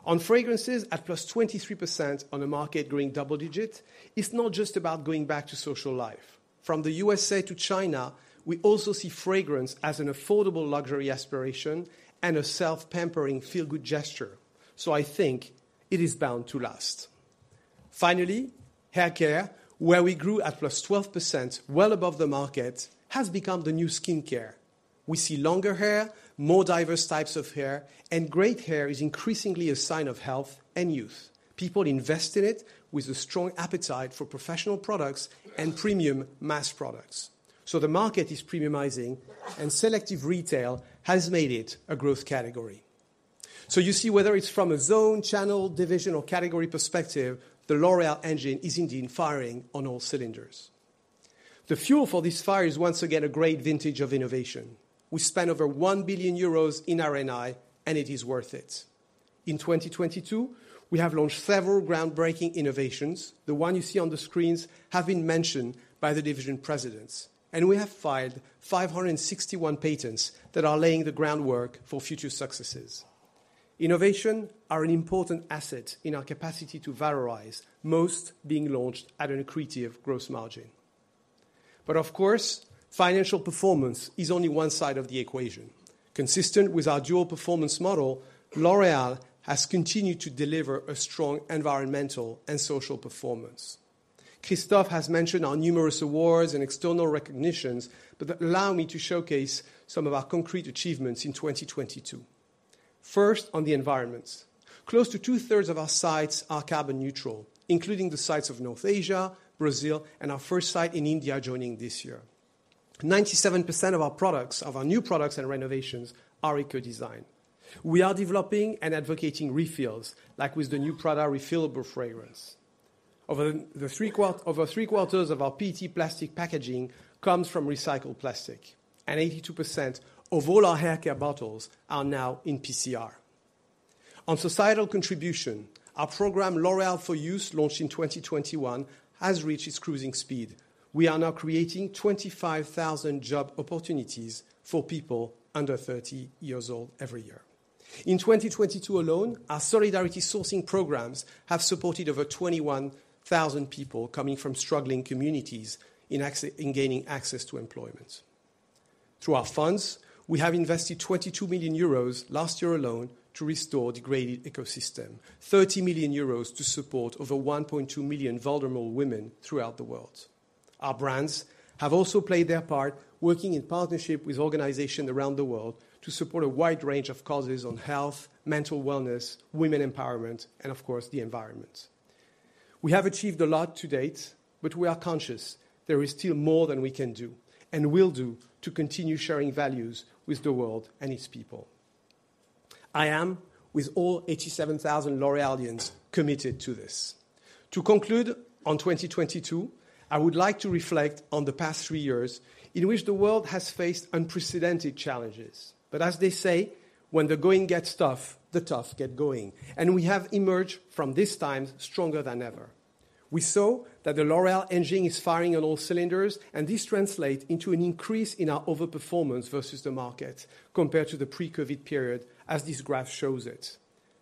On fragrances, at +23% on a market growing double-digit, it's not just about going back to social life. From the USA to China, we also see fragrance as an affordable luxury aspiration and a self-pampering feel-good gesture, I think it is bound to last. Haircare, where we grew at +12%, well above the market, has become the new skincare. We see longer hair, more diverse types of hair, and great hair is increasingly a sign of health and youth. People invest in it with a strong appetite for professional products and premium mass products. The market is premiumizing and selective retail has made it a growth category. You see whether it's from a zone, channel, division, or category perspective, the L'Oréal engine is indeed firing on all cylinders. The fuel for this fire is once again a great vintage of innovation. We spent over 1 billion euros in R&I, and it is worth it. In 2022, we have launched several groundbreaking innovations. The one you see on the screens have been mentioned by the division presidents, and we have filed 561 patents that are laying the groundwork for future successes. Innovation are an important asset in our capacity to valorize, most being launched at an accretive gross margin. Of course, financial performance is only one side of the equation. Consistent with our dual performance model, L'Oréal has continued to deliver a strong environmental and social performance. Christophe has mentioned our numerous awards and external recognitions, allow me to showcase some of our concrete achievements in 2022. First, on the environments. Close to two-thirds of our sites are carbon neutral, including the sites of North Asia, Brazil, and our first site in India joining this year. 97% of our new products and renovations are eco-designed. We are developing and advocating refills, like with the new Prada refillable fragrance. Over three-quarters of our PET plastic packaging comes from recycled plastic, and 82% of all our hair care bottles are now in PCR. On societal contribution, our program L'Oréal For Youth, launched in 2021, has reached its cruising speed. We are now creating 25,000 job opportunities for people under 30 years old every year. In 2022 alone, our solidarity sourcing programs have supported over 21,000 people coming from struggling communities in gaining access to employment. Through our funds, we have invested 22 million euros last year alone to restore degraded ecosystem, 30 million euros to support over 1.2 million vulnerable women throughout the world. Our brands have also played their part, working in partnership with organizations around the world to support a wide range of causes on health, mental wellness, women empowerment, and of course, the environment. We have achieved a lot to date. We are conscious there is still more than we can do, and will do to continue sharing values with the world and its people. I am, with all 87,000 L'Oréalians, committed to this. To conclude on 2022, I would like to reflect on the past three years in which the world has faced unprecedented challenges. As they say, when the going gets tough, the tough get going, and we have emerged from this time stronger than ever. We saw that the L'Oréal engine is firing on all cylinders, and this translate into an increase in our overperformance versus the market compared to the pre-COVID period, as this graph shows it.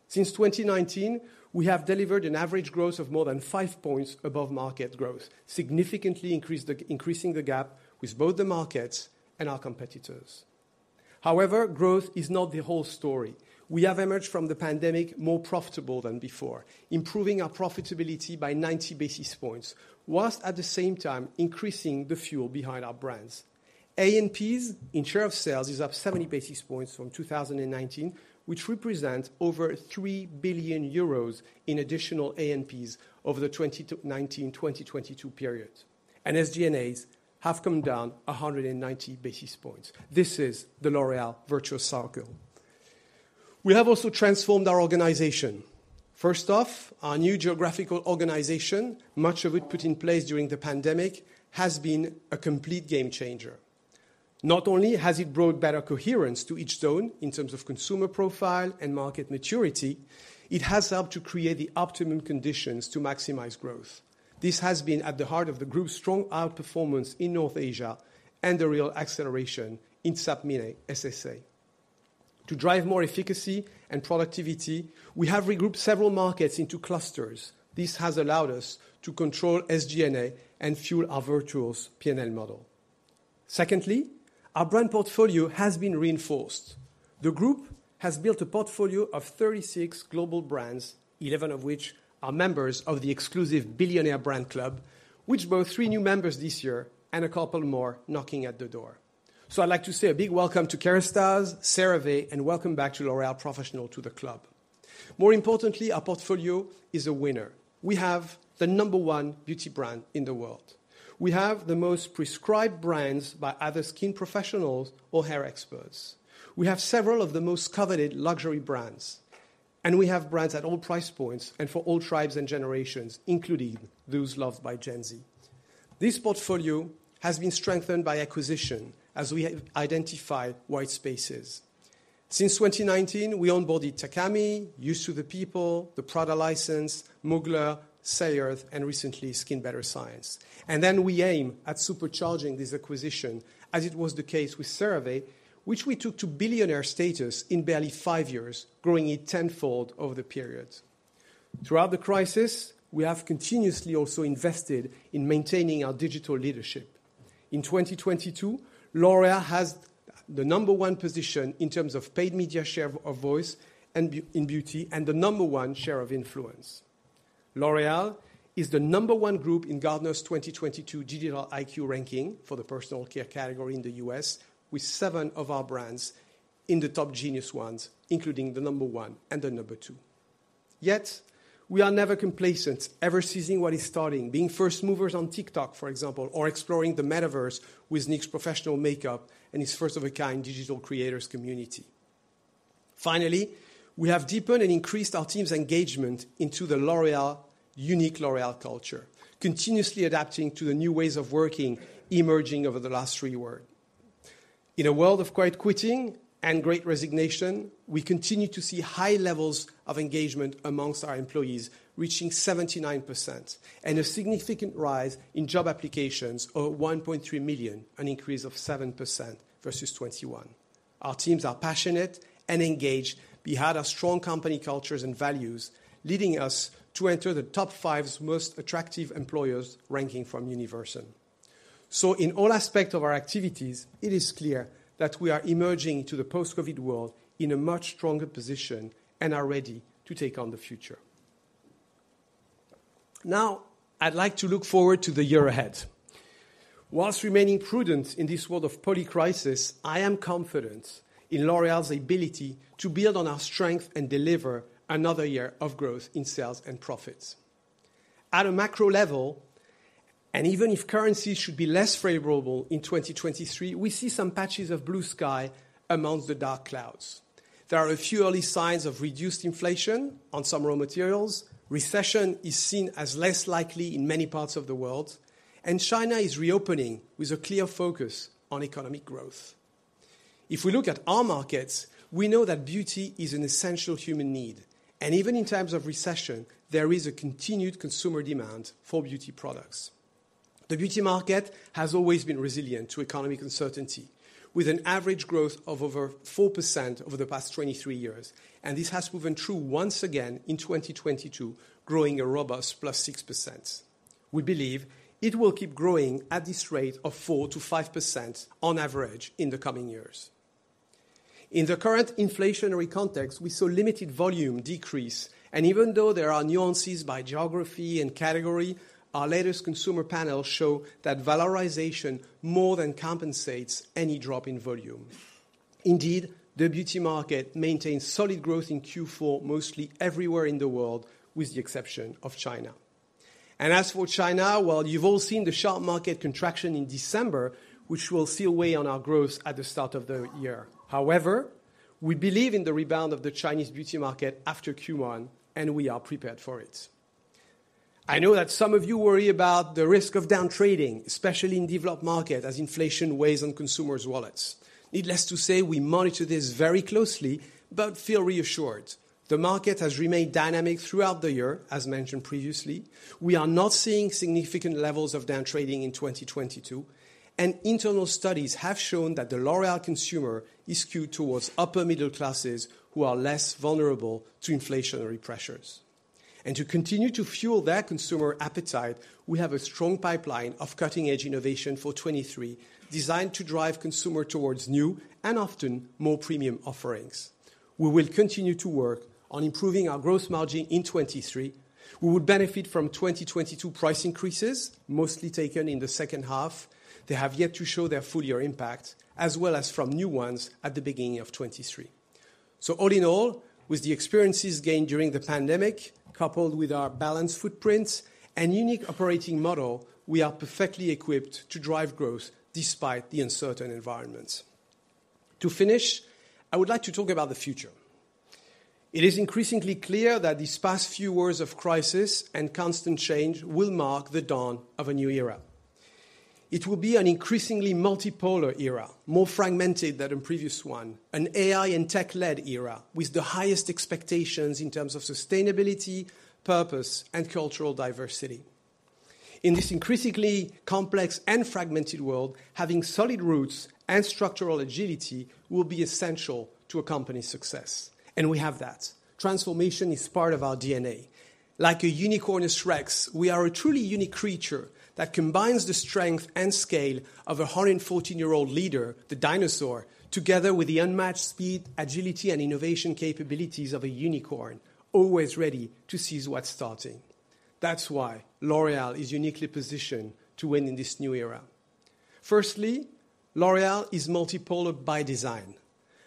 Since 2019, we have delivered an average growth of more than 5 points above market growth, significantly increasing the gap with both the markets and our competitors. Growth is not the whole story. We have emerged from the pandemic more profitable than before, improving our profitability by 90 basis points, whilst at the same time increasing the fuel behind our brands. A&P in share of sales is up 70 basis points from 2019, which represents over 3 billion euros in additional A&P over the 19-2022 periods. SG&A have come down 190 basis points. This is the L'Oréal virtuous circle. We have also transformed our organization. First off, our new geographical organization, much of it put in place during the pandemic, has been a complete game changer. Not only has it brought better coherence to each zone in terms of consumer profile and market maturity, it has helped to create the optimum conditions to maximize growth. This has been at the heart of the group's strong outperformance in North Asia and the real acceleration in SAPME, SSA. To drive more efficacy and productivity, we have regrouped several markets into clusters. This has allowed us to control SG&A and fuel our virtuous P&L model. Secondly, our brand portfolio has been reinforced. The group has built a portfolio of 36 global brands, 11 of which are members of the exclusive Billionaire Brand Club, which brought 3 new members this year and a couple more knocking at the door. I'd like to say a big welcome to Kérastase, CeraVe, and welcome back to L'Oréal Professionnel to the club. More importantly, our portfolio is a winner. We have the number one beauty brand in the world. We have the most prescribed brands by other skin professionals or hair experts. We have several of the most coveted luxury brands, and we have brands at all price points and for all tribes and generations, including those loved by Gen Z. This portfolio has been strengthened by acquisition as we have identified white spaces. Since 2019, we onboarded Takami, Youth To The People, the Prada license, Mugler, Seyth, and recently SkinBetter Science. We aim at supercharging this acquisition, as it was the case with CeraVe, which we took to billionaire status in barely five years, growing it tenfold over the period. Throughout the crisis, we have continuously also invested in maintaining our digital leadership. In 2022, L'Oréal has the number one position in terms of paid media share of voice in beauty, and the number one share of influence. L'Oréal is the number one group in Gartner's 2022 Digital IQ ranking for the personal care category in the U.S., with seven of our brands in the top genius ones, including the number one and the number two. We are never complacent, ever seizing what is starting, being first movers on TikTok, for example, or exploring the Metaverse with NYX Professional Makeup and its first of a kind digital creators community. Finally, we have deepened and increased our team's engagement into the L'Oréal, unique L'Oréal culture, continuously adapting to the new ways of working emerging over the last three years. In a world of quiet quitting and great resignation, we continue to see high levels of engagement amongst our employees, reaching 79%, and a significant rise in job applications of 1.3 million, an increase of 7% versus 2021. Our teams are passionate and engaged behind our strong company cultures and values, leading us to enter the top 5's most attractive employers ranking from Universum. In all aspects of our activities, it is clear that we are emerging to the post-COVID world in a much stronger position and are ready to take on the future. I'd like to look forward to the year ahead. While remaining prudent in this world of polycrisis, I am confident in L'Oréal's ability to build on our strength and deliver another year of growth in sales and profits. At a macro level, even if currencies should be less favorable in 2023, we see some patches of blue sky among the dark clouds. There are a few early signs of reduced inflation on some raw materials. Recession is seen as less likely in many parts of the world, China is reopening with a clear focus on economic growth. If we look at our markets, we know that beauty is an essential human need, and even in times of recession, there is a continued consumer demand for beauty products. The beauty market has always been resilient to economic uncertainty, with an average growth of over 4% over the past 23 years, and this has proven true once again in 2022, growing a robust +6%. We believe it will keep growing at this rate of 4%-5% on average in the coming years. In the current inflationary context, we saw limited volume decrease, and even though there are nuances by geography and category, our latest consumer panels show that valorization more than compensates any drop in volume. Indeed, the beauty market maintains solid growth in Q4 mostly everywhere in the world with the exception of China. As for China, well, you've all seen the sharp market contraction in December, which will seal away on our growth at the start of the year. We believe in the rebound of the Chinese beauty market after Q1, and we are prepared for it. I know that some of you worry about the risk of down trading, especially in developed market as inflation weighs on consumers' wallets. Needless to say, we monitor this very closely, but feel reassured. The market has remained dynamic throughout the year, as mentioned previously. We are not seeing significant levels of down trading in 2022, and internal studies have shown that the L'Oréal consumer is skewed towards upper middle classes who are less vulnerable to inflationary pressures. To continue to fuel that consumer appetite, we have a strong pipeline of cutting-edge innovation for 2023 designed to drive consumer towards new and often more premium offerings. We will continue to work on improving our gross margin in 2023. We will benefit from 2022 price increases, mostly taken in the second half. They have yet to show their full year impact, as well as from new ones at the beginning of 2023. All in all, with the experiences gained during the pandemic, coupled with our balanced footprints and unique operating model, we are perfectly equipped to drive growth despite the uncertain environments. To finish, I would like to talk about the future. It is increasingly clear that these past few years of crisis and constant change will mark the dawn of a new era. It will be an increasingly multipolar era, more fragmented than the previous one, an AI and tech-led era with the highest expectations in terms of sustainability, purpose, and cultural diversity. In this increasingly complex and fragmented world, having solid roots and structural agility will be essential to a company's success, and we have that. Transformation is part of our DNA. Like a Unicornus Rex, we are a truly unique creature that combines the strength and scale of a 114-year-old leader, the dinosaur, together with the unmatched speed, agility, and innovation capabilities of a unicorn, always ready to seize what's starting. L'Oréal is uniquely positioned to win in this new era. Firstly, L'Oréal is multipolar by design.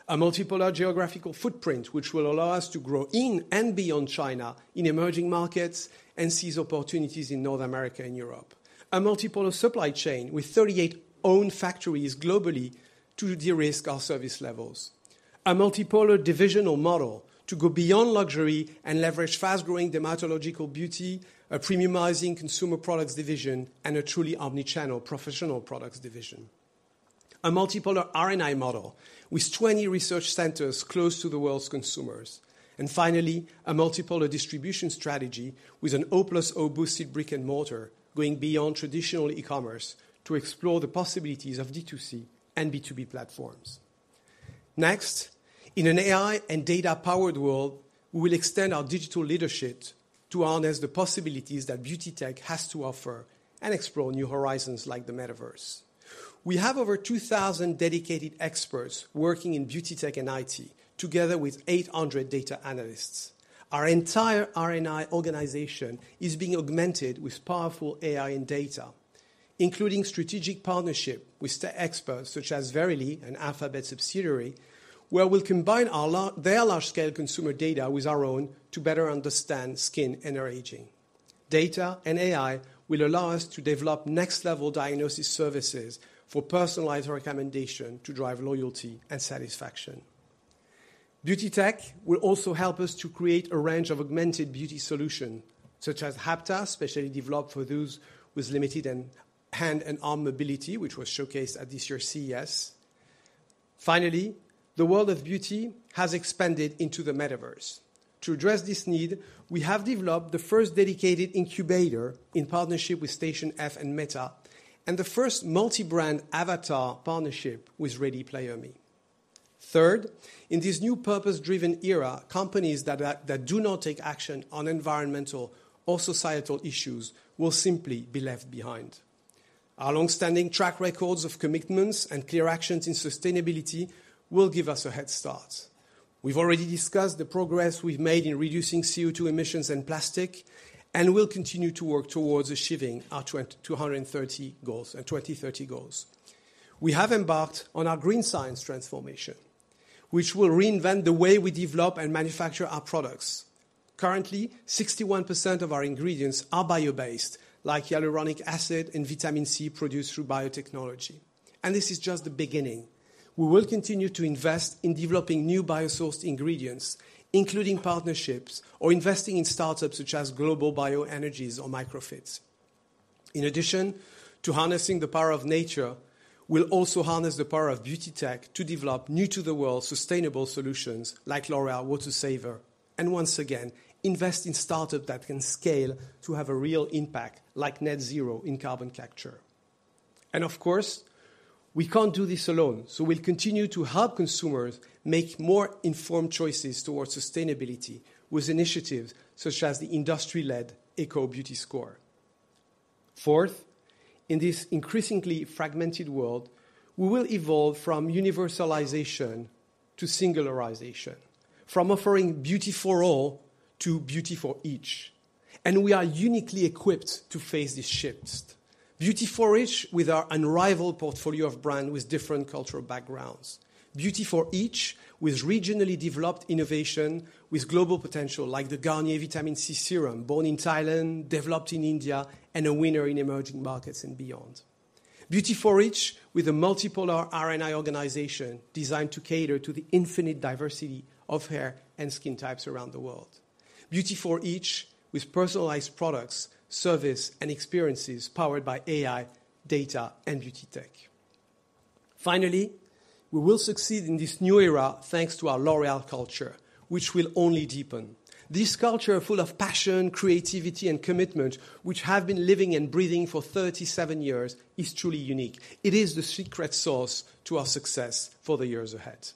A multipolar geographical footprint which will allow us to grow in and beyond China in emerging markets and seize opportunities in North America and Europe. A multipolar supply chain with 38 own factories globally to de-risk our service levels. A multipolar divisional model to go beyond luxury and leverage fast-growing L'Oréal Dermatological Beauty, a premiumizing consumer products division, and a truly omni-channel professional products division. A multipolar R&I model with 20 research centers close to the world's consumers. Finally, a multipolar distribution strategy with an O+O boosted brick-and-mortar going beyond traditional e-commerce to explore the possibilities of D2C and B2B platforms. Next, in an AI and data-powered world, we will extend our digital leadership to harness the possibilities that beauty tech has to offer and explore new horizons like the Metaverse. We have over 2,000 dedicated experts working in beauty tech and IT, together with 800 data analysts. Our entire R&I organization is being augmented with powerful AI and data, including strategic partnership with experts such as Verily and Alphabet subsidiary, where we'll combine their large scale consumer data with our own to better understand skin inner aging. Data and AI will allow us to develop next-level diagnosis services for personalized recommendation to drive loyalty and satisfaction. Beauty tech will also help us to create a range of augmented beauty solution, such as HAPTA, specially developed for those with limited and hand and arm mobility, which was showcased at this year's CES. Finally, the world of beauty has expanded into the metaverse. To address this need, we have developed the first dedicated incubator in partnership with Station F and Meta, and the first multi-brand avatar partnership with Ready Player Me. In this new purpose-driven era, companies that do not take action on environmental or societal issues will simply be left behind. Our long-standing track records of commitments and clear actions in sustainability will give us a head start. We've already discussed the progress we've made in reducing CO2 emissions and plastic, we'll continue to work towards achieving our 2030 goals. We have embarked on our Green Science transformation, which will reinvent the way we develop and manufacture our products. Currently, 61% of our ingredients are bio-based, like hyaluronic acid and vitamin C produced through biotechnology. This is just the beginning. We will continue to invest in developing new bio-sourced ingredients, including partnerships or investing in startups such as Global Bioenergies or Microphyt. In addition to harnessing the power of nature, we'll also harness the power of beauty tech to develop new to the world sustainable solutions like L'Oréal Water Saver. Once again, invest in startup that can scale to have a real impact like NetZero in carbon capture. Of course, we can't do this alone. We'll continue to help consumers make more informed choices towards sustainability with initiatives such as the industry-led Eco Beauty Score. Fourth, in this increasingly fragmented world, we will evolve from universalization to singularization, from offering beauty for all to beauty for each. We are uniquely equipped to face these shifts. Beauty for each with our unrivaled portfolio of brand with different cultural backgrounds. Beauty for each with regionally developed innovation, with global potential like the Garnier Vitamin C Serum, born in Thailand, developed in India, and a winner in emerging markets and beyond. Beauty for each with a multipolar R&I organization designed to cater to the infinite diversity of hair and skin types around the world. Beauty for each with personalized products, service, and experiences powered by AI, data, and beauty tech. Finally, we will succeed in this new era thanks to our L'Oréal culture, which will only deepen. This culture full of passion, creativity, and commitment, which have been living and breathing for 37 years, is truly unique. It is the secret sauce to our success for the years ahead.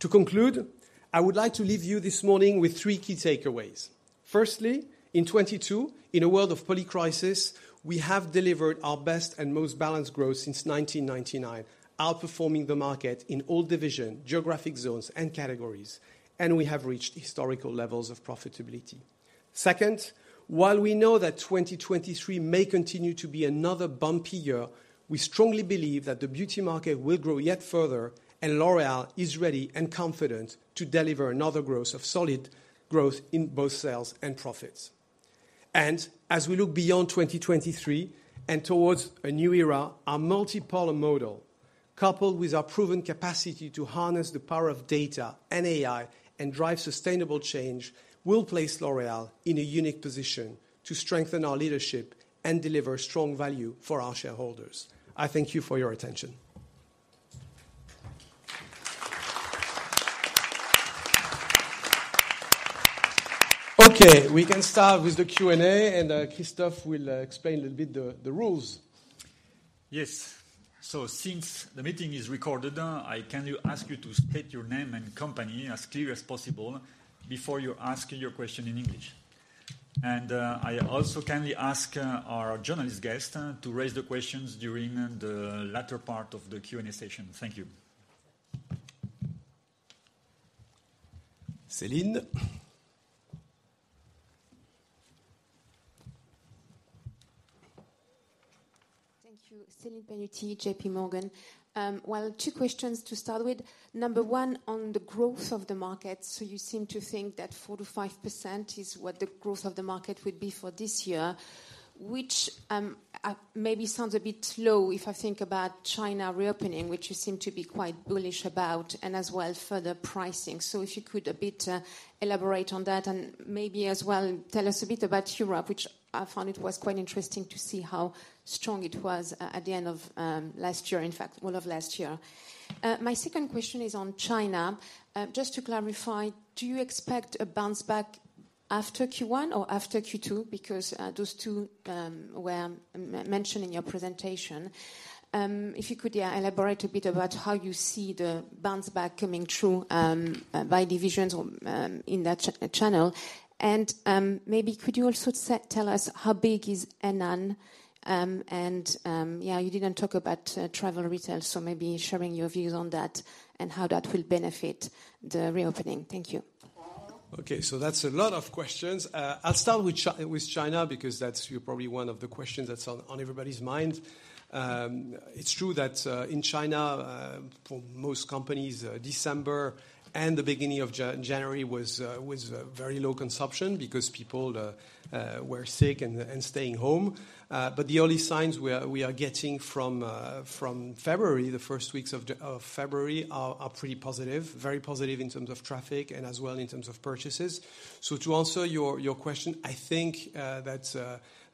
To conclude, I would like to leave you this morning with three key takeaways. Firstly, in 2022, in a world of polycrisis, we have delivered our best and most balanced growth since 1999, outperforming the market in all division, geographic zones and categories. We have reached historical levels of profitability. Second, while we know that 2023 may continue to be another bumpy year, we strongly believe that the beauty market will grow yet further. L'Oréal is ready and confident to deliver another solid growth in both sales and profits. As we look beyond 2023 and towards a new era, our multipolar model, coupled with our proven capacity to harness the power of data and AI and drive sustainable change, will place L'Oréal in a unique position to strengthen our leadership and deliver strong value for our shareholders. I thank you for your attention. We can start with the Q&A, and Christophe will explain a little bit the rules. Yes. Since the meeting is recorded, I kindly ask you to state your name and company as clear as possible before you ask your question in English. I also kindly ask, our journalist guest, to raise the questions during the latter part of the Q&A session. Thank you. Celine. Thank you. Celine Pannuti, JPMorgan. Well, two questions to start with. Number one on the growth of the market. You seem to think that 4%-5% is what the growth of the market would be for this year, which maybe sounds a bit low if I think about China reopening, which you seem to be quite bullish about, and as well further pricing. If you could a bit elaborate on that and maybe as well tell us a bit about Europe, which I found it was quite interesting to see how strong it was at the end of last year, in fact, all of last year. My second question is on China. Just to clarify, do you expect a bounce back after Q1 or after Q2? Because those two were mentioning your presentation. If you could elaborate a bit about how you see the bounce back coming through by divisions or in that channel. Maybe could you also tell us how big is Garnier? You didn't talk about travel retail, so maybe sharing your views on that and how that will benefit the reopening. Thank you. Okay, that's a lot of questions. I'll start with China because that's probably one of the questions that's on everybody's mind. It's true that in China, for most companies, December and the beginning of January was very low consumption because people were sick and staying home. The early signs we are getting from February, the first weeks of February are pretty positive, very positive in terms of traffic and as well in terms of purchases. To answer your question, I think that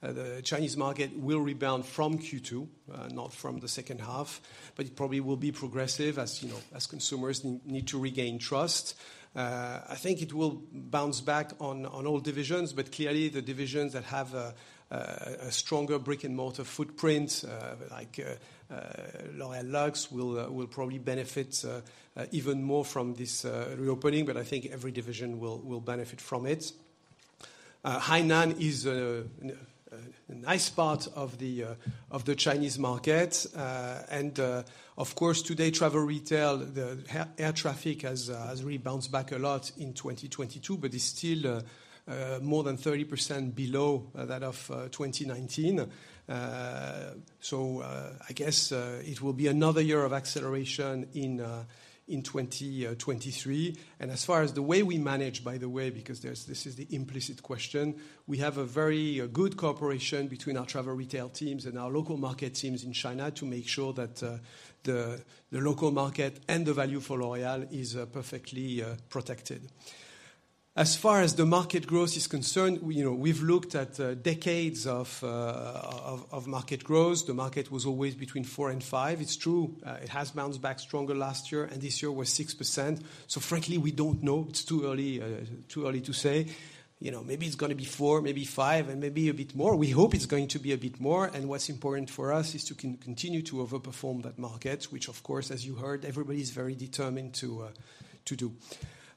the Chinese market will rebound from Q2, not from the second half, but it probably will be progressive as, you know, as consumers need to regain trust. I think it will bounce back on all divisions, but clearly the divisions that have a stronger brick-and-mortar footprint, like L'Oréal Luxe will probably benefit even more from this reopening, but I think every division will benefit from it. Hainan is a nice part of the Chinese market. Of course, today, travel retail, the air traffic has really bounced back a lot in 2022, but it's still more than 30% below that of 2019. I guess it will be another year of acceleration in 2023. As far as the way we manage, by the way, because this is the implicit question, we have a very good cooperation between our travel retail teams and our local market teams in China to make sure that the local market and the value for L'Oréal is perfectly protected. As far as the market growth is concerned, we, you know, we've looked at decades of market growth. The market was always between four and five. It's true, it has bounced back stronger last year, and this year was 6%. Frankly, we don't know. It's too early, too early to say. You know, maybe it's gonna be four, maybe five, and maybe a bit more. We hope it's going to be a bit more, and what's important for us is to continue to overperform that market, which of course, as you heard, everybody's very determined to do.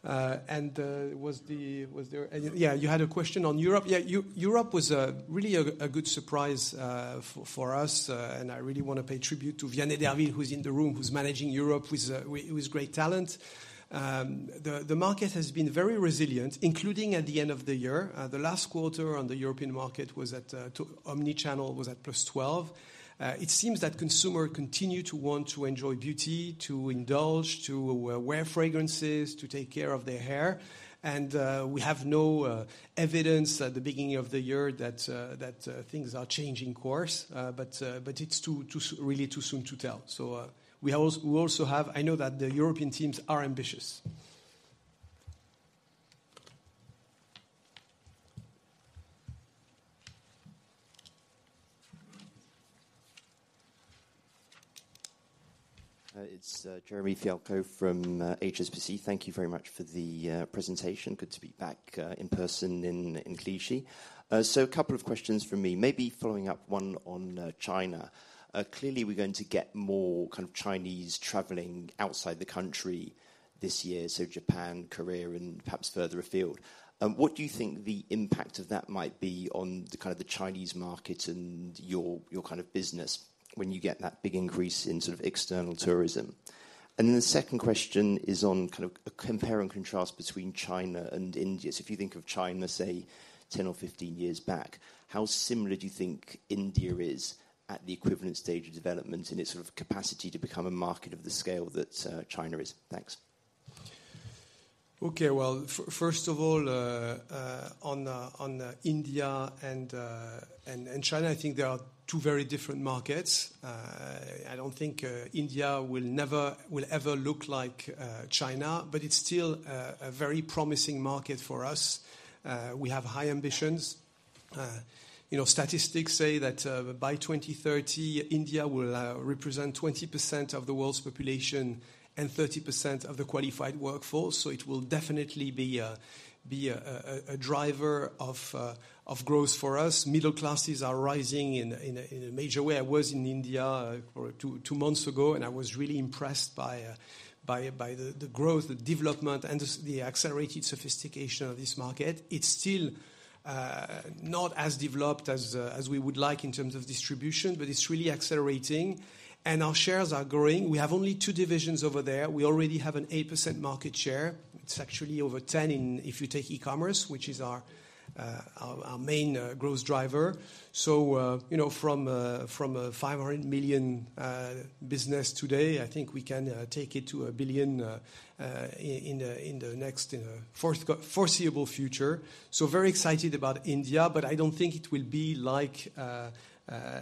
Was there any... You had a question on Europe. Europe was really a good surprise for us, and I really wanna pay tribute to Vianney Derville, who's in the room, who's managing Europe with great talent. The market has been very resilient, including at the end of the year. The last quarter on the European market was at omni-channel was at 12%. It seems that consumer continue to want to enjoy beauty, to indulge, to wear fragrances, to take care of their hair. We have no evidence at the beginning of the year that things are changing course. It's too really too soon to tell. We also have. I know that the European teams are ambitious. It's Jeremy Fialko from HSBC. Thank you very much for the presentation. Good to be back in person in Clichy. A couple of questions from me. Maybe following up one on China. Clearly we're going to get more kind of Chinese traveling outside the country this year, so Japan, Korea, and perhaps further afield. What do you think the impact of that might be on the kind of the Chinese market and your kind of business when you get that big increase in sort of external tourism? The second question is on kind of a compare and contrast between China and India. If you think of China, say 10 or 15 years back, how similar do you think India is at the equivalent stage of development in its sort of capacity to become a market of the scale that China is? Thanks. Okay. Well, first of all, on India and China, I think they are two very different markets. I don't think India will ever look like China, but it's still a very promising market for us. We have high ambitions. You know, statistics say that by 2030, India will represent 20% of the world's population and 30% of the qualified workforce, so it will definitely be a driver of growth for us. Middle classes are rising in a major way. I was in India two months ago, and I was really impressed by the growth, the development, and the accelerated sophistication of this market. It's still not as developed as we would like in terms of distribution, but it's really accelerating, and our shares are growing. We have only two divisions over there. We already have an 8% market share. It's actually over 10 in if you take e-commerce, which is our main growth driver. You know, from a 500 million business today, I think we can take it to 1 billion in the next foreseeable future. Very excited about India, but I don't think it will be like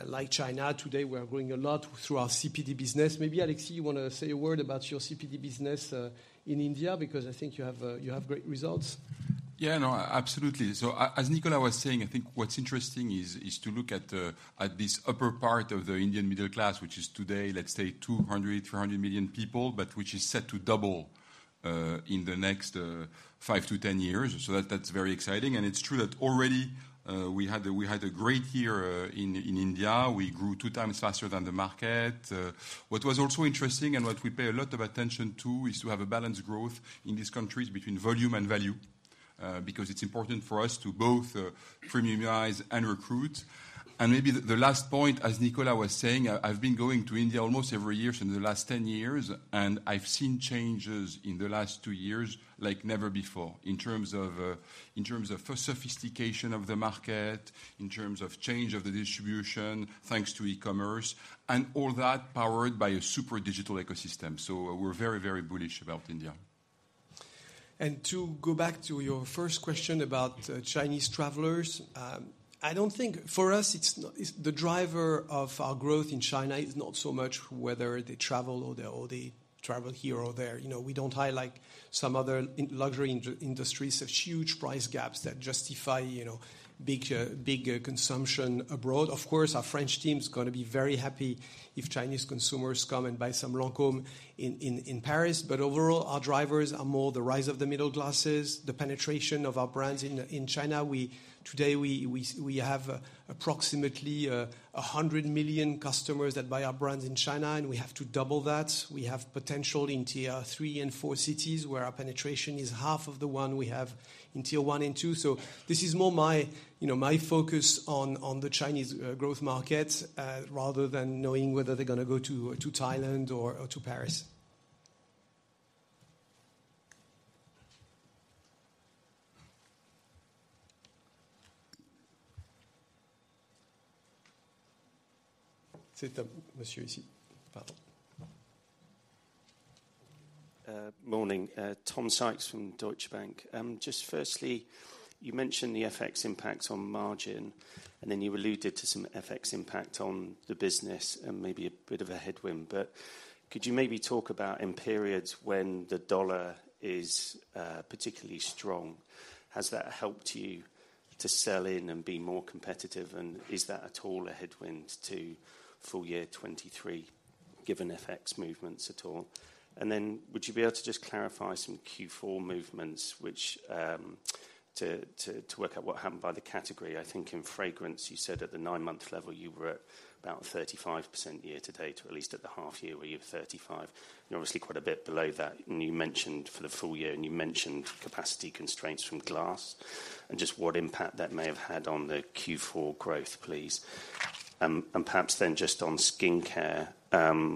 like China. Today, we are growing a lot through our CPD business. Maybe, Alexis, you wanna say a word about your CPD business in India, because I think you have great results. Yeah, no, absolutely. As Nicolas was saying, I think what's interesting is to look at this upper part of the Indian middle class, which is today, let's say 200-300 million people, but which is set to double in the next five to 10 years. That's very exciting. It's true that already, we had a great year in India. We grew two times faster than the market. What was also interesting and what we pay a lot of attention to is to have a balanced growth in these countries between volume and value. Because it's important for us to both premiumize and recruit. Maybe the last point, as Nicolas was saying, I've been going to India almost every year since the last 10 years, I've seen changes in the last two years like never before, in terms of the sophistication of the market, in terms of change of the distribution, thanks to e-commerce. All that powered by a super digital ecosystem. We're very, very bullish about India. To go back to your first question about Chinese travelers. I don't think. For us, the driver of our growth in China is not so much whether they travel or they travel here or there. You know, we don't highlight some other luxury industries, so huge price gaps that justify, you know, big consumption abroad. Of course, our French team's gonna be very happy if Chinese consumers come and buy some Lancôme in Paris. Overall, our drivers are more the rise of the middle classes, the penetration of our brands in China. Today we have approximately 100 million customers that buy our brands in China, and we have to double that. We have potential in tier three and four cities, where our penetration is half of the one we have in tier one and two. This is more my, you know, my focus on the Chinese growth market, rather than knowing whether they're gonna go to Thailand or to Paris. Morning. Tom Sykes from Deutsche Bank. Just firstly, you mentioned the FX impact on margin, and then you alluded to some FX impact on the business and maybe a bit of a headwind. Could you maybe talk about in periods when the dollar is particularly strong, has that helped you to sell in and be more competitive? Is that at all a headwind to full year 2023, given FX movements at all? Then would you be able to just clarify some Q4 movements which to work out what happened by the category? I think in fragrance, you said at the nine-month level, you were at about 35% year to date, or at least at the half year where you have 35, and obviously quite a bit below that. You mentioned for the full year, and you mentioned capacity constraints from glass. Just what impact that may have had on the Q4 growth, please. Perhaps then just on skincare,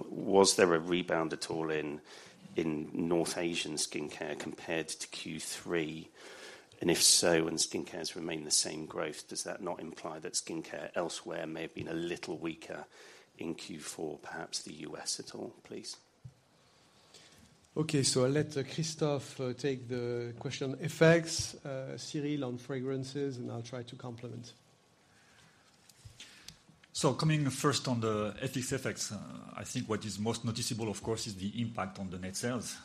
was there a rebound at all in North Asian skincare compared to Q3? If so, when skincare has remained the same growth, does that not imply that skincare elsewhere may have been a little weaker in Q4, perhaps the U.S. at all, please? Okay. I'll let Christophe take the question on FX, Cyril on fragrances, and I'll try to complement. Coming first on the FX effects, I think what is most noticeable, of course, is the impact on the net sales.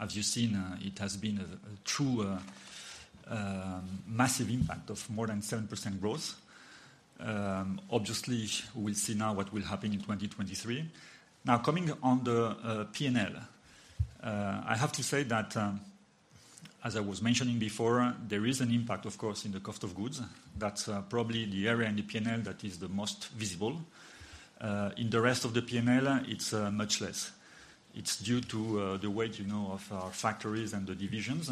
As you've seen, it has been a true massive impact of more than 7% growth. Obviously we'll see now what will happen in 2023. Coming on the P&L, I have to say that as I was mentioning before, there is an impact, of course, in the cost of goods. That's probably the area in the P&L that is the most visible. In the rest of the P&L, it's much less. It's due to the weight, you know, of our factories and the divisions.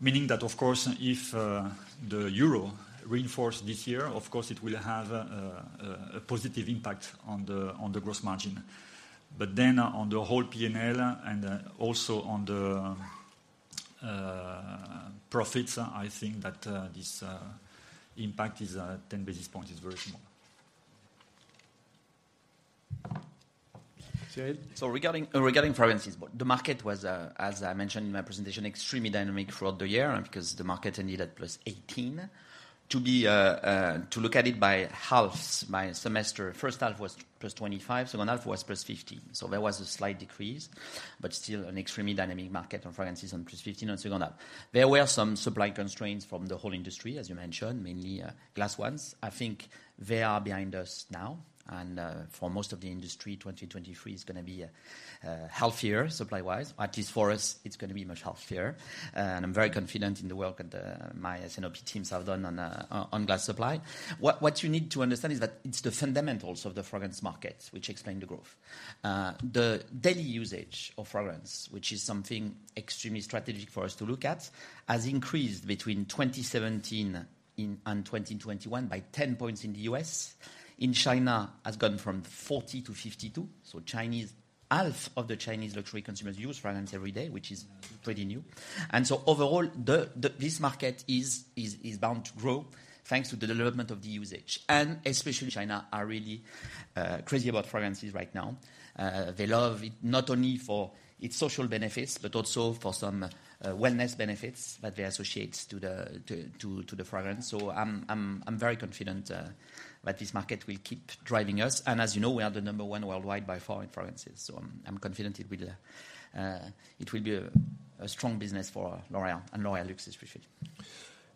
Meaning that of course, if the euro reinforce this year, of course, it will have a positive impact on the gross margin. On the whole P&L and also on the profits, I think that this impact is 10 basis points is very small. Cyril? Regarding fragrances, the market was, as I mentioned in my presentation, extremely dynamic throughout the year because the market ended at +18%. To look at it by halves, by semester, first half was +25%, second half was +50%. There was a slight decrease, but still an extremely dynamic market on fragrances on +15% on second half. There were some supply constraints from the whole industry, as you mentioned, mainly glass ones. I think they are behind us now. For most of the industry, 2023 is gonna be a healthier supply-wise. At least for us, it's gonna be much healthier. And I'm very confident in the work that my S&OP teams have done on glass supply. What you need to understand is that it's the fundamentals of the fragrance market which explain the growth. The daily usage of fragrance, which is something extremely strategic for us to look at, has increased between 2017 and 2021 by 10 points in the U.S. In China, has gone from 40 to 52. Half of the Chinese luxury consumers use fragrance every day, which is pretty new. Overall, this market is bound to grow thanks to the development of the usage. Especially China are really crazy about fragrances right now. They love it not only for its social benefits, but also for some wellness benefits that they associate to the fragrance. I'm very confident that this market will keep driving us. As you know, we are the number one worldwide by far in fragrances. I'm confident it will be a strong business for L'Oréal and L'Oréal Luxe especially.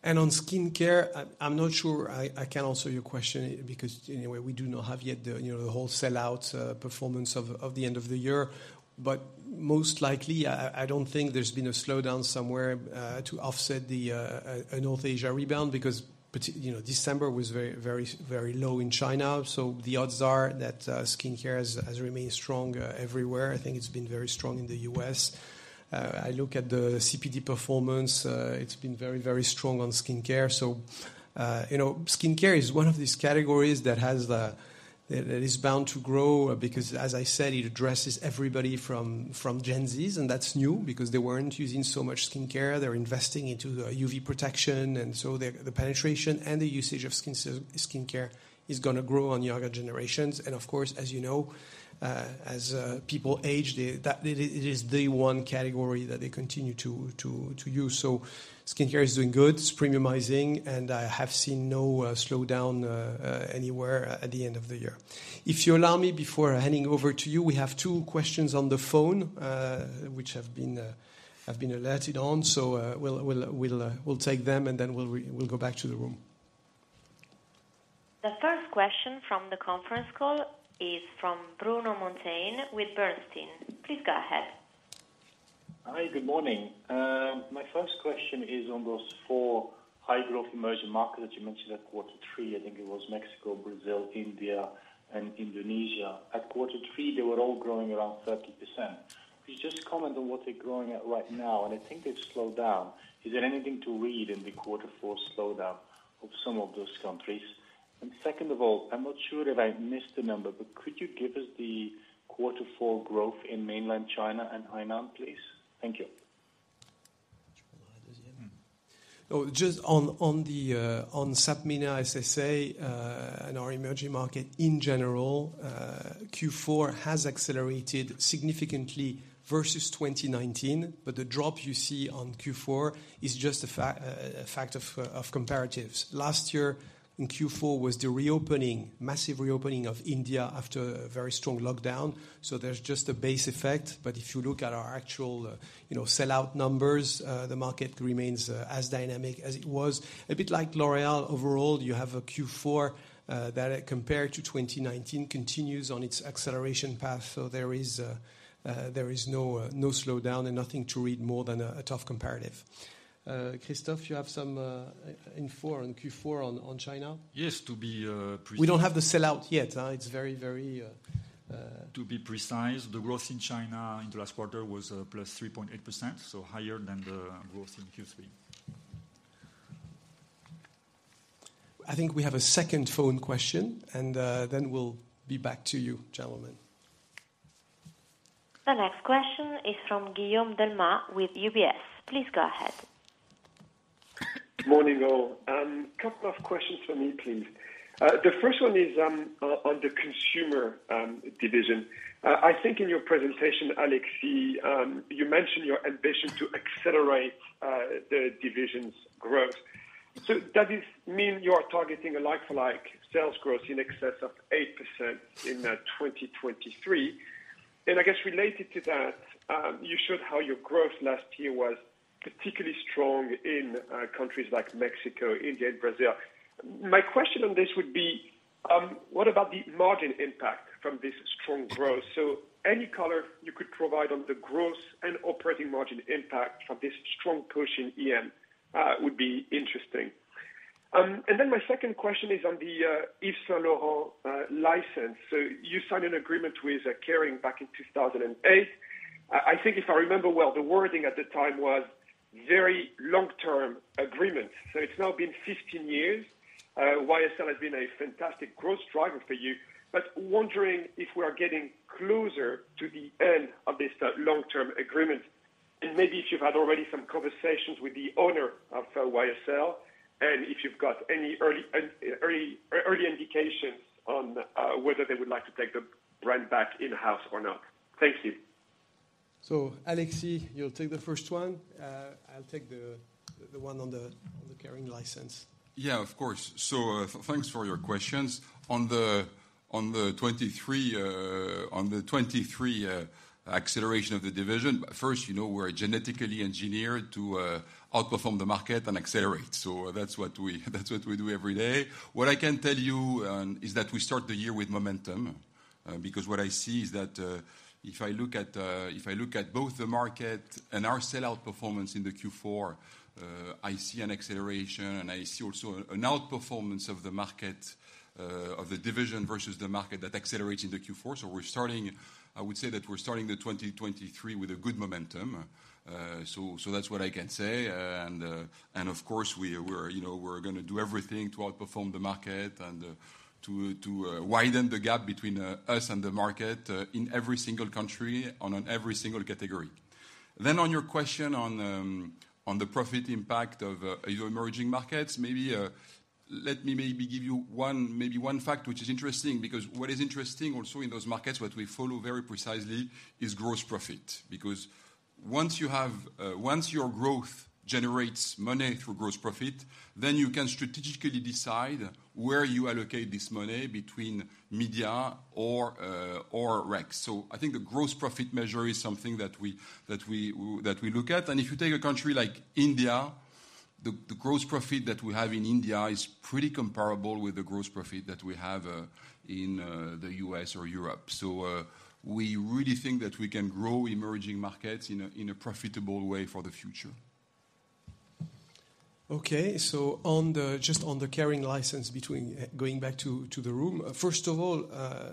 On skincare, I'm not sure I can answer your question because anyway, we do not have yet the, you know, the whole sell-out performance of the end of the year. Most likely, I don't think there's been a slowdown somewhere to offset a North Asia rebound because, you know, December was very, very low in China. The odds are that skincare has remained strong everywhere. I think it's been very strong in the U.S. I look at the CPD performance, it's been very, very strong on skincare. You know, skincare is one of these categories that is bound to grow because as I said, it addresses everybody from Gen Zs, and that's new because they weren't using so much skincare. They're investing into the UV protection, the penetration and the usage of skincare is gonna grow on younger generations. Of course, as you know, as people age, they. That it is the one category that they continue to use. Skincare is doing good, it's premiumizing, and I have seen no slowdown anywhere at the end of the year. If you allow me, before handing over to you, we have two questions on the phone, which have been alerted on. We'll take them and then we'll go back to the room. The first question from the conference call is from Bruno Monteyne with Bernstein. Please go ahead. Hi, good morning. My first question is on those four high growth emerging markets that you mentioned at quarter three, I think it was Mexico, Brazil, India and Indonesia. At quarter three, they were all growing around 30%. Could you just comment on what they're growing at right now? I think they've slowed down. Is there anything to read in the quarter four slowdown of some of those countries? Second of all, I'm not sure if I missed the number, but could you give us the quarter four growth in mainland China and Hainan, please? Thank you. Just on the SAPMENA – SSA and our emerging market in general, Q4 has accelerated significantly versus 2019. The drop you see on Q4 is just a fact of comparatives. Last year in Q4 was the reopening, massive reopening of India after a very strong lockdown. There's just a base effect. If you look at our actual, you know, sellout numbers, the market remains as dynamic as it was. A bit like L'Oréal overall, you have a Q4 that compared to 2019 continues on its acceleration path. There is no slowdown and nothing to read more than a tough comparative. Christophe, you have some info on Q4 on China? Yes, to be precise. We don't have the sellout yet, huh? It's very. To be precise, the growth in China in the last quarter was, plus 3.8%, so higher than the growth in Q3. I think we have a second phone question and, then we'll be back to you, gentlemen. The next question is from Guillaume Delmas with UBS. Please go ahead. Morning all. Couple of questions from me, please. The first one is on the consumer division. I think in your presentation, Alexis, you mentioned your ambition to accelerate the division's growth. Does this mean you are targeting a like-for-like sales growth in excess of 8% in 2023? I guess related to that, you showed how your growth last year was particularly strong in countries like Mexico, India and Brazil. My question on this would be, what about the margin impact from this strong growth? Any color you could provide on the growth and operating margin impact of this strong push in EM would be interesting. My second question is on the Yves Saint Laurent license. You signed an agreement with Kering back in 2008. I think if I remember well, the wording at the time was very long-term agreement. It's now been 15 years. YSL has been a fantastic growth driver for you. Wondering if we are getting closer to the end of this long-term agreement, and maybe if you've had already some conversations with the owner of YSL, and if you've got any early indications on whether they would like to take the brand back in-house or not. Thank you. Alexis, you'll take the first one. I'll take the one on the Kering license. Of course. Thanks for your questions. On the 23 acceleration of the division, first, you know, we're genetically engineered to outperform the market and accelerate. That's what we do every day. What I can tell you is that we start the year with momentum because what I see is that if I look at both the market and our sellout performance in the Q4, I see an acceleration and I see also an outperformance of the market of the division versus the market that accelerates in the Q4. We're starting I would say that we're starting the 2023 with a good momentum. That's what I can say. Of course, you know, we're gonna do everything to outperform the market to widen the gap between us and the market in every single country on every single category. On your question on the profit impact of your emerging markets, let me give you one fact, which is interesting, because what is interesting also in those markets, what we follow very precisely is gross profit. Once your growth generates money through gross profit, then you can strategically decide where you allocate this money between media or rec. I think the gross profit measure is something that we look at. If you take a country like India, the gross profit that we have in India is pretty comparable with the gross profit that we have in the U.S. or Europe. We really think that we can grow emerging markets in a profitable way for the future. Okay. just on the Kering license between, going back to the Room. First of all,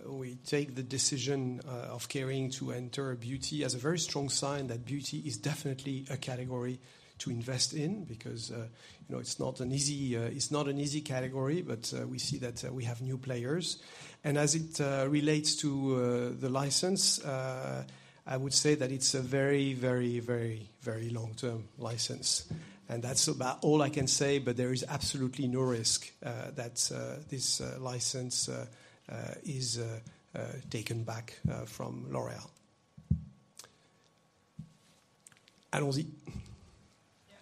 we take the decision of Kering to enter beauty as a very strong sign that beauty is definitely a category to invest in because, you know, it's not an easy, it's not an easy category, but we see that we have new players. As it relates to the license, I would say that it's a very, very, very, very long-term license. That's about all I can say, but there is absolutely no risk that this license is taken back from L'Oréal. Allons-y. Yeah.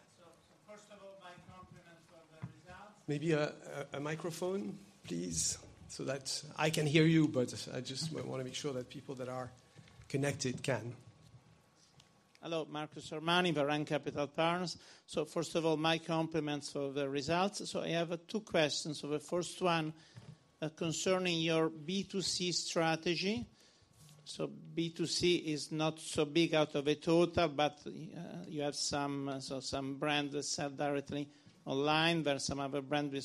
First of all, my compliments for the results. Maybe a microphone please, so that... I can hear you, but I just wanna make sure that people that are connected can. Hello, Marco Sormani, Varenne Capital Partners. First of all, my compliments for the results. I have two questions. The first one concerning your B2C strategy. B2C is not so big out of the total, but you have some brands that sell directly online. There are some other brands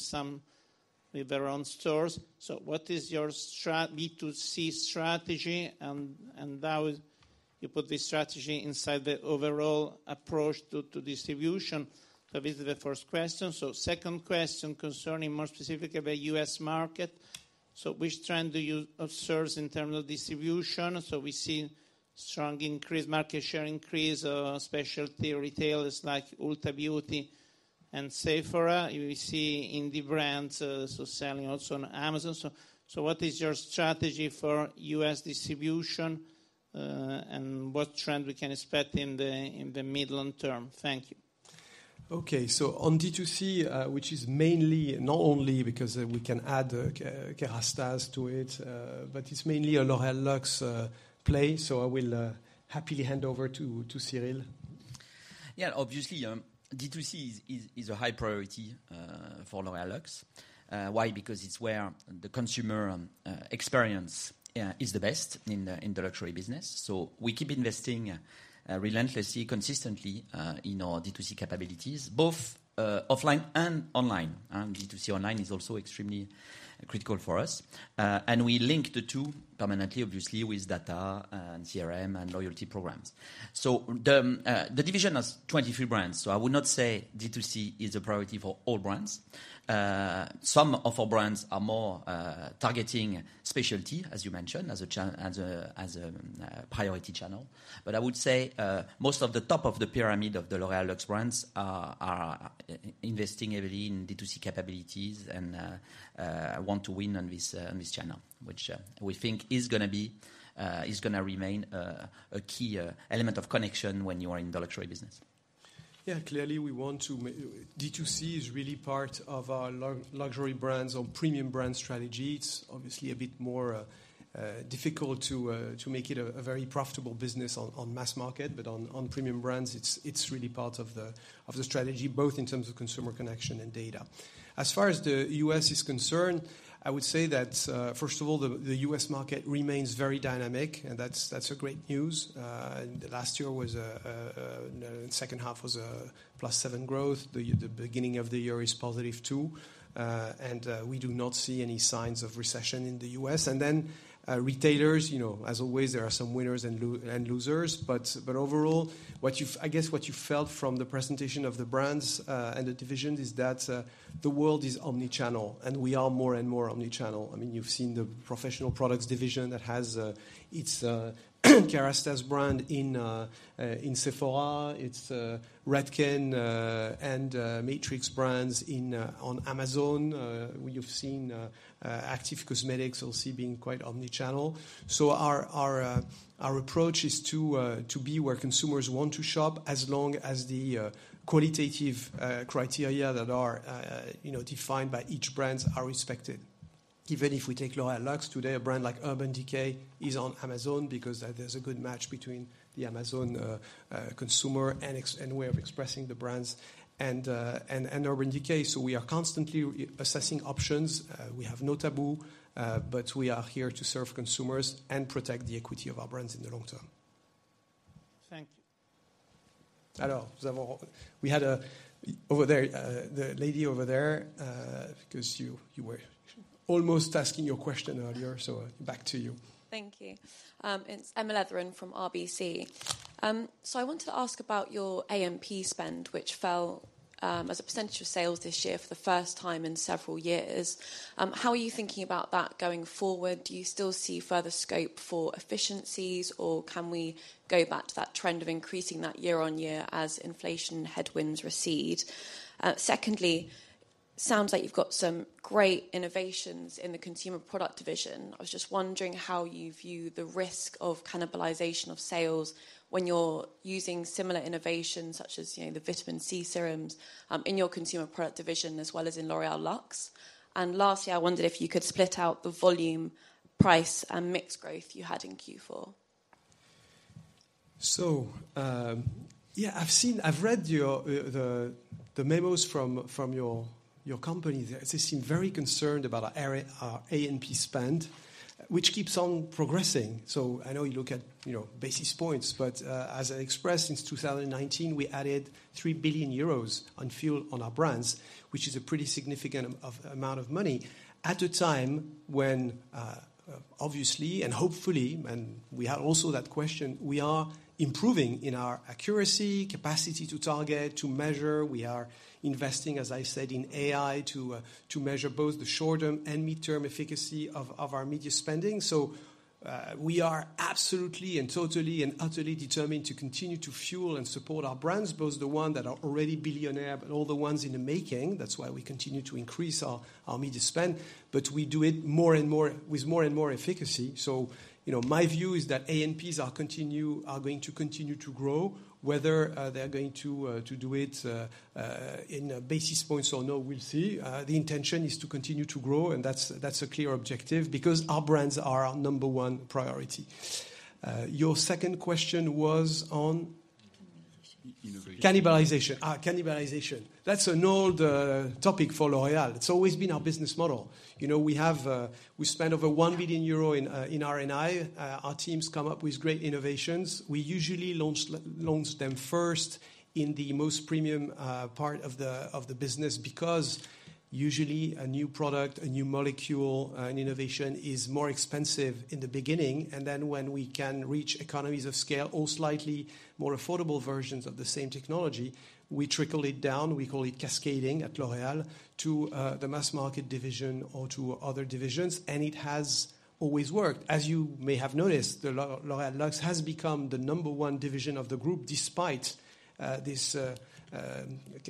with their own stores. What is your B2C strategy and how you put this strategy inside the overall approach to distribution? This is the first question. Second question concerning more specific about U.S. market. Which trend do you observe in terms of distribution? We see strong increase, market share increase, specialty retailers like Ulta Beauty and Sephora. We see indie brands selling also on Amazon. What is your strategy for US distribution, and what trend we can expect in the mid long term? Thank you. Okay. On D2C, which is mainly, not only because we can add Kérastase to it, but it's mainly a L'Oréal Luxe play. I will happily hand over to Cyril. Obviously, D2C is a high priority for L'Oréal Luxe. Why? Because it's where the consumer experience is the best in the luxury business. We keep investing relentlessly, consistently, in our D2C capabilities, both offline and online. D2C online is also extremely critical for us. We link the two permanently, obviously, with data and CRM and loyalty programs. The division has 23 brands. I would not say D2C is a priority for all brands. Some of our brands are more targeting specialty, as you mentioned, as a priority channel. I would say, most of the top of the pyramid of the L'Oréal Luxe brands are investing heavily in D2C capabilities and, want to win on this, on this channel, which, we think is gonna be, is gonna remain a key element of connection when you are in the luxury business. Yeah. Clearly, we want to D2C is really part of our luxury brands or premium brand strategy. It's obviously a bit more difficult to make it a very profitable business on mass market. On premium brands, it's really part of the strategy, both in terms of consumer connection and data. As far as the U.S. is concerned, I would say that, first of all, the U.S. market remains very dynamic, and that's a great news. Last year was second half was +7% growth. The beginning of the year is positive, too. We do not see any signs of recession in the U.S. Retailers, you know, as always, there are some winners and losers. Overall, what you felt from the presentation of the brands and the division is that the world is omni-channel, and we are more and more omni-channel. I mean, you've seen the Professional Products Division that has its Kérastase brand in Sephora. Its Redken and Matrix brands on Amazon. You've seen Active Cosmetics also being quite omni-channel. Our approach is to be where consumers want to shop, as long as the qualitative criteria that are, you know, defined by each brands are respected. Even if we take L'Oréal Luxe today, a brand like Urban Decay is on Amazon because there's a good match between the Amazon consumer and way of expressing the brands and Urban Decay. We are constantly assessing options. We have no taboo, but we are here to serve consumers and protect the equity of our brands in the long term. Thank you. All right. We have over there, the lady over there, because you were almost asking your question earlier. Back to you. Thank you. It's Emma Letheren from RBC. I wanted to ask about your A&P spend, which fell as a % of sales this year for the first time in several years. How are you thinking about that going forward? Do you still see further scope for efficiencies, or can we go back to that trend of increasing that year on year as inflation headwinds recede? Secondly, sounds like you've got some great innovations in the Consumer Products Division. I was just wondering how you view the risk of cannibalization of sales when you're using similar innovations, such as, you know, the Vitamin C serums, in your Consumer Products Division as well as in L'Oréal Luxe. Lastly, I wondered if you could split out the volume, price, and mix growth you had in Q4. Yeah, I've read your the memos from your company. They seem very concerned about our A&P spend, which keeps on progressing. I know you look at, you know, basis points, but as I expressed since 2019, we added 3 billion euros on fuel on our brands, which is a pretty significant amount of money at a time when, obviously, and hopefully, and we had also that question, we are improving in our accuracy, capacity to target, to measure. We are investing, as I said, in AI to measure both the short-term and mid-term efficacy of our media spending. We are absolutely and totally and utterly determined to continue to fuel and support our brands, both the one that are already billionaire, but all the ones in the making. That's why we continue to increase our media spend, but we do it with more and more efficacy. You know, my view is that A&Ps are going to continue to grow, whether they're going to do it in basis points or no, we'll see. The intention is to continue to grow, and that's a clear objective because our brands are our number one priority. Your second question was. Cannibalization. Innovation. Cannibalization. Cannibalization. That's an old topic for L'Oréal. It's always been our business model. You know, we spend over 1 billion euro in R&I. Our teams come up with great innovations. We usually launch them first in the most premium part of the business because usually a new product, a new molecule, an innovation is more expensive in the beginning. Then when we can reach economies of scale or slightly more affordable versions of the same technology, we trickle it down, we call it cascading at L'Oréal, to the mass market division or to other divisions, and it has always worked. As you may have noticed, the L'Oréal Luxe has become the number one division of the group despite this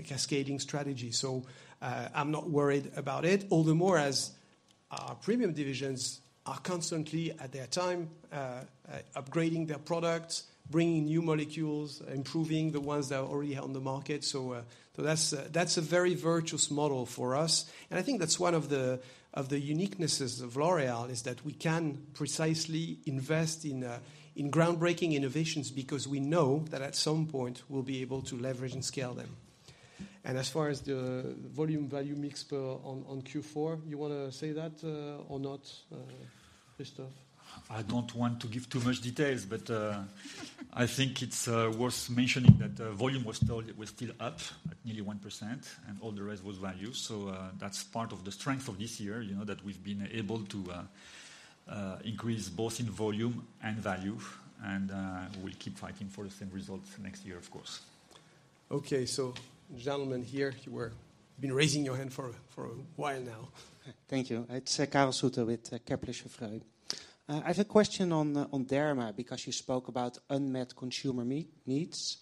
cascading strategy. I'm not worried about it. All the more as our premium divisions are constantly at their time upgrading their products, bringing new molecules, improving the ones that are already on the market. That's a very virtuous model for us. I think that's one of the, of the uniquenesses of L'Oréal, is that we can precisely invest in groundbreaking innovations because we know that at some point we'll be able to leverage and scale them. As far as the volume-value mix per on Q4, you wanna say that or not, Christophe? I don't want to give too much details, but I think it's worth mentioning that volume was still up at nearly 1%, and all the rest was value. That's part of the strength of this year, you know, that we've been able to increase both in volume and value, and we'll keep fighting for the same results next year, of course. Okay. Gentleman here, you've been raising your hand for a while now. Thank you. It's Karel Zoete with Kepler Cheuvreux. I have a question on derma, because you spoke about unmet consumer needs.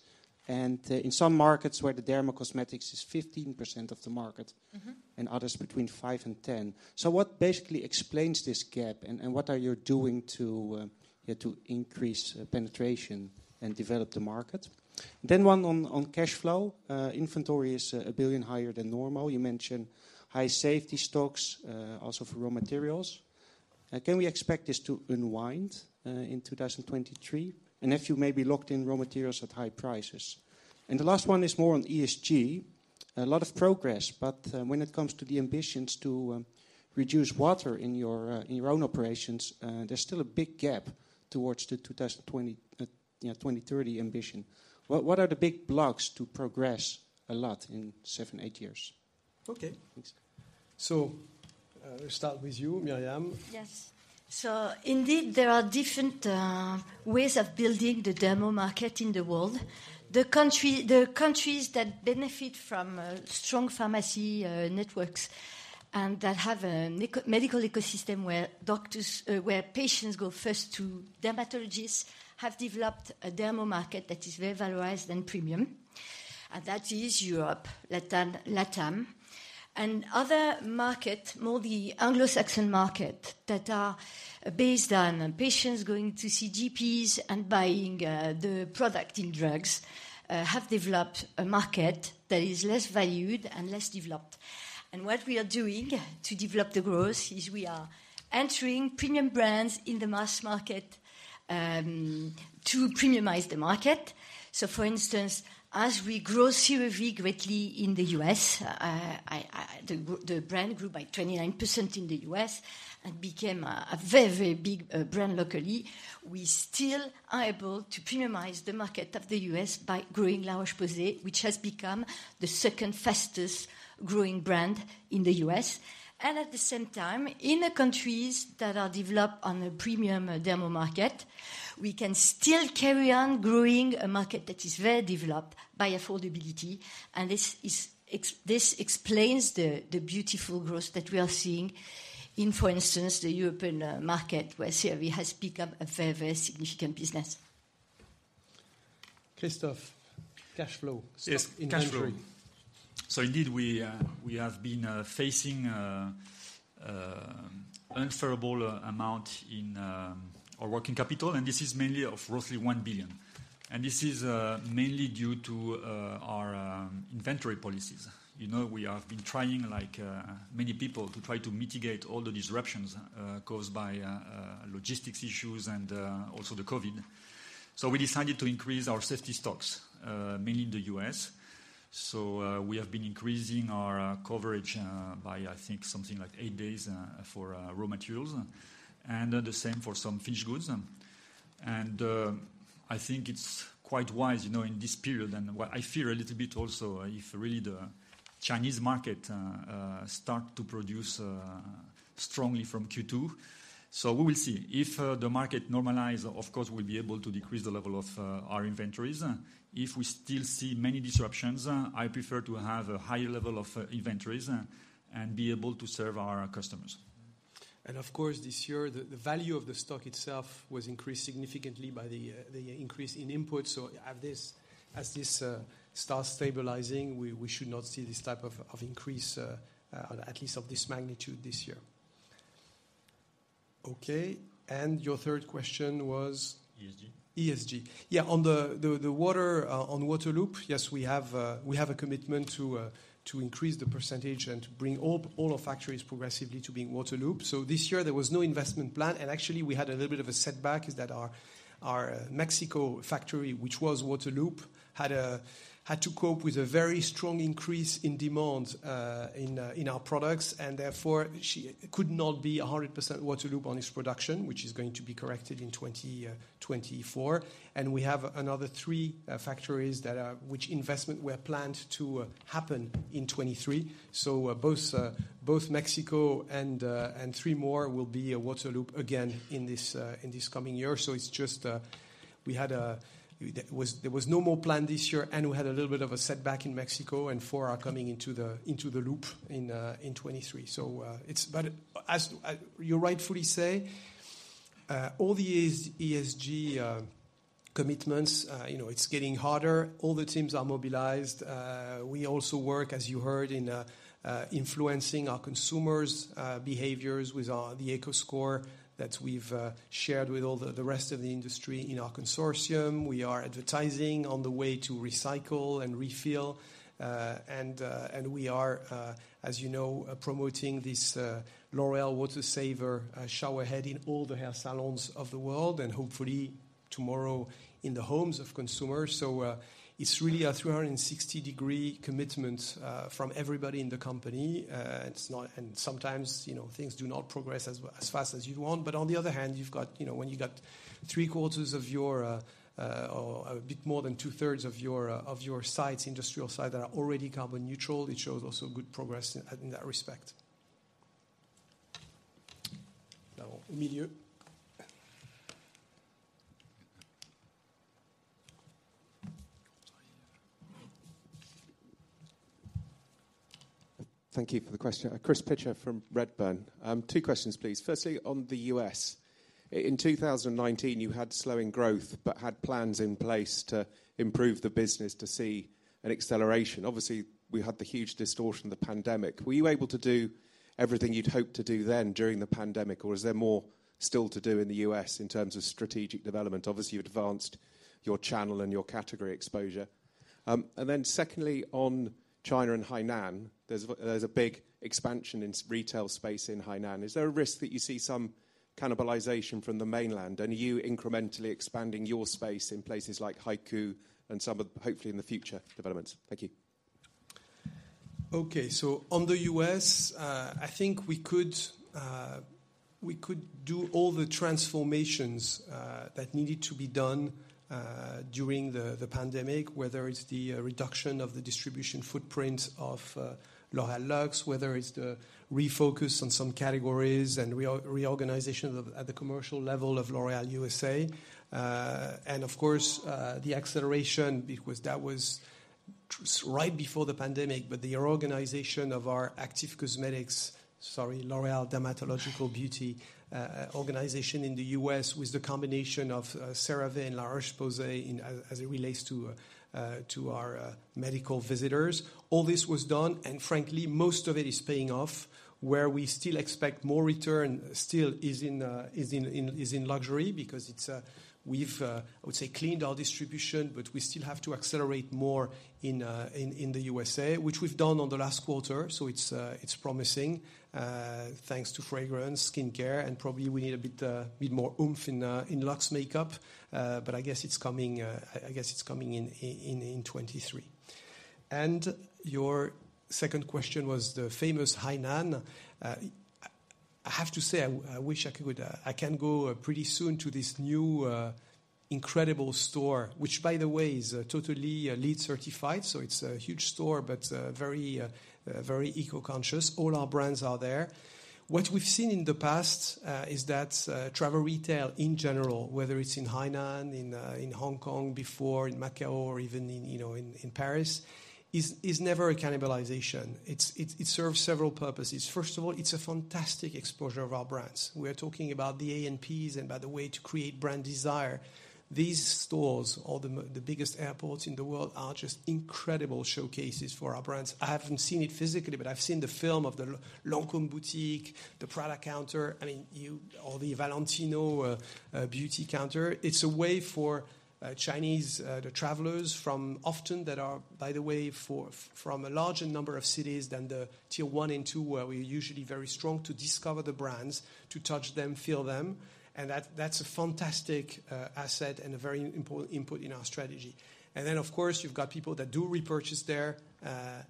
In some markets where the dermacosmetics is 15% of the market. Mm-hmm ...and others between five and 10. What basically explains this gap, and what are you doing to, yeah, to increase penetration and develop the market? One on cash flow. Inventory is 1 billion higher than normal. You mentioned high safety stocks also for raw materials. Can we expect this to unwind in 2023? Have you maybe locked in raw materials at high prices? The last one is more on ESG. A lot of progress, but when it comes to the ambitions to reduce water in your own operations, there's still a big gap towards the 2020, you know, 2030 ambition. What are the big blocks to progress a lot in seven, eight years? Okay. Thanks. We'll start with you, Myriam. Indeed, there are different ways of building the derma market in the world. The countries that benefit from strong pharmacy networks and that have a medical ecosystem where doctors, where patients go first to dermatologists, have developed a derma market that is very valorized and premium, and that is Europe, Latam. Other market, more the Anglo-Saxon market that are based on patients going to see GPs and buying the product in drugs, have developed a market that is less valued and less developed. What we are doing to develop the growth is we are entering premium brands in the mass market to premiumize the market. For instance, as we grow CeraVe greatly in the US, the brand grew by 29% in the US and became a very big brand locally. We still are able to premiumize the market of the US by growing La Roche-Posay, which has become the second fastest growing brand in the US. At the same time, in the countries that are developed on a premium derma market, we can still carry on growing a market that is very developed by affordability, and this explains the beautiful growth that we are seeing in, for instance, the European market, where CeraVe has become a very significant business. Christophe, cash flow. Yes, cash flow. ...stock inventory. Indeed, we have been facing unfavorable amount in our working capital, and this is mainly of roughly 1 billion. This is mainly due to our inventory policies. You know, we have been trying, like many people, to try to mitigate all the disruptions caused by logistics issues and also the COVID. We decided to increase our safety stocks mainly in the U.S. We have been increasing our coverage by, I think, something like eight days for raw materials and the same for some finished goods. I think it's quite wise, you know, in this period and what I fear a little bit also if really the Chinese market start to produce strongly from Q2. We will see. If the market normalize, of course, we'll be able to decrease the level of our inventories. If we still see many disruptions, I prefer to have a higher level of inventories and be able to serve our customers. Of course this year the value of the stock itself was increased significantly by the increase in input. As this starts stabilizing, we should not see this type of increase at least of this magnitude this year. Okay, your third question was? ESG. ESG. Yeah on the water, on water loop, yes, we have a commitment to increase the percentage and to bring all our factories progressively to being water loop. This year there was no investment plan, and actually we had a little bit of a setback is that our Mexico factory which was water loop had to cope with a very strong increase in demand in our products and therefore she could not be 100% water loop on its production which is going to be corrected in 2024. We have another three factories which investment were planned to happen in 2023. Both Mexico and three more will be a water loop again in this coming year. it's just, we had, there was no more plan this year and we had a little bit of a setback in Mexico and four are coming into the loop in 2023. it's. As you rightfully say, all the ES-ESG commitments, you know, it's getting harder. All the teams are mobilized. We also work, as you heard, in influencing our consumers' behaviors with our, the Eco Beauty Score that we've shared with all the rest of the industry in our consortium. We are advertising on the way to recycle and refill. We are, as you know, promoting this L'Oréal Water Saver shower head in all the hair salons of the world and hopefully tomorrow in the homes of consumers. It's really a 360 degree commitment from everybody in the company. It's not and sometimes, you know, things do not progress as fast as you'd want. On the other hand you've got, you know, when you got three quarters of your or a bit more than two-thirds of your of your sites, industrial sites that are already carbon neutral it shows also good progress in that respect. Emilio. Thank you for the question, Chris Pitcher from Redburn. two questions please. Firstly, in 2019 you had slowing growth but had plans in place to improve the business to see an acceleration. Obviously, we had the huge distortion of the pandemic. Were you able to do everything you'd hoped to do then during the pandemic, or is there more still to do in the U.S. in terms of strategic development? Obviously, you advanced your channel and your category exposure. Secondly, on China and Hainan, there's a big expansion in retail space in Hainan. Is there a risk that you see some cannibalization from the mainland and you incrementally expanding your space in places like Haikou and some of, hopefully, in the future developments? Thank you. Okay. On the U.S., I think we could do all the transformations that needed to be done during the pandemic whether it's the reduction of the distribution footprint of L'Oréal Luxe, whether it's the refocus on some categories and reorganization of, at the commercial level of L'Oréal USA. Of course, the acceleration because that was right before the pandemic but the reorganization of our active cosmetics, sorry L'Oréal Dermatological Beauty, organization in the U.S. with the combination of CeraVe and La Roche-Posay in as it relates to our medical visitors. All this was done and frankly most of it is paying off where we still expect more return still is in luxury because it's we've I would say cleaned our distribution but we still have to accelerate more in the U.S.A. which we've done on the last quarter so it's promising thanks to fragrance, skincare and probably we need a bit more oomph in Luxe makeup. I guess it's coming in 2023. Your second question was the famous Hainan. I have to say I wish I could, I can go pretty soon to this new incredible store which by the way is totally LEED certified so it's a huge store but very eco-conscious. All our brands are there. What we've seen in the past, is that travel retail in general whether it's in Hainan, in Hong Kong before, in Macao or even in, you know, Paris is never a cannibalization. It serves several purposes. First of all it's a fantastic exposure of our brands. We're talking about the A&Ps and by the way to create brand desire. These stores, all the biggest airports in the world are just incredible showcases for our brands. I haven't seen it physically but I've seen the film of the Lancôme boutique, the Prada counter. I mean or the Valentino beauty counter. It's a way for Chinese the travelers from often that are by the way From a larger number of cities than the tier one and two, where we're usually very strong to discover the brands, to touch them, feel them, and that's a fantastic asset and a very input in our strategy. Of course, you've got people that do repurchase there,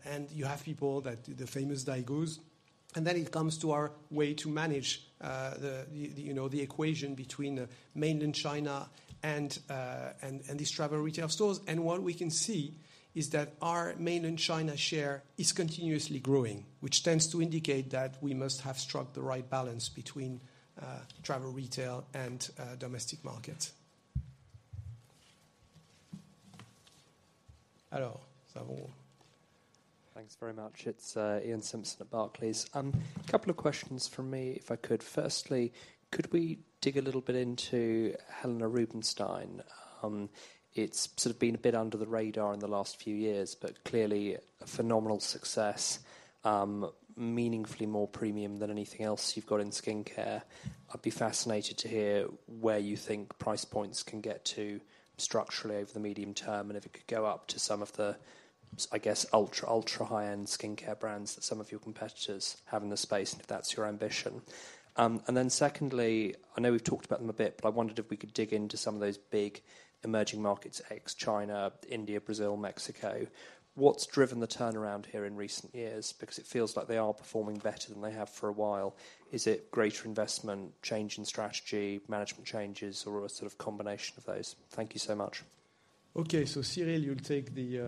and you have people that do the famous daigou. It comes to our way to manage the, you know, the equation between mainland China and these travel retail stores. What we can see is that our mainland China share is continuously growing, which tends to indicate that we must have struck the right balance between travel retail and domestic markets. Hello. Thanks very much. It's Iain Simpson at Barclays. Couple of questions from me, if I could. Firstly, could we dig a little bit into Helena Rubinstein? It's sort of been a bit under the radar in the last few years, but clearly a phenomenal success, meaningfully more premium than anything else you've got in skincare. I'd be fascinated to hear where you think price points can get to structurally over the medium term, and if it could go up to some of the, I guess, ultra high-end skincare brands that some of your competitors have in the space, and if that's your ambition. Secondly, I know we've talked about them a bit, but I wondered if we could dig into some of those big emerging markets, ex China, India, Brazil, Mexico. What's driven the turnaround here in recent years? It feels like they are performing better than they have for a while. Is it greater investment, change in strategy, management changes, or a sort of combination of those? Thank you so much. Okay. Cyril, you'll take the.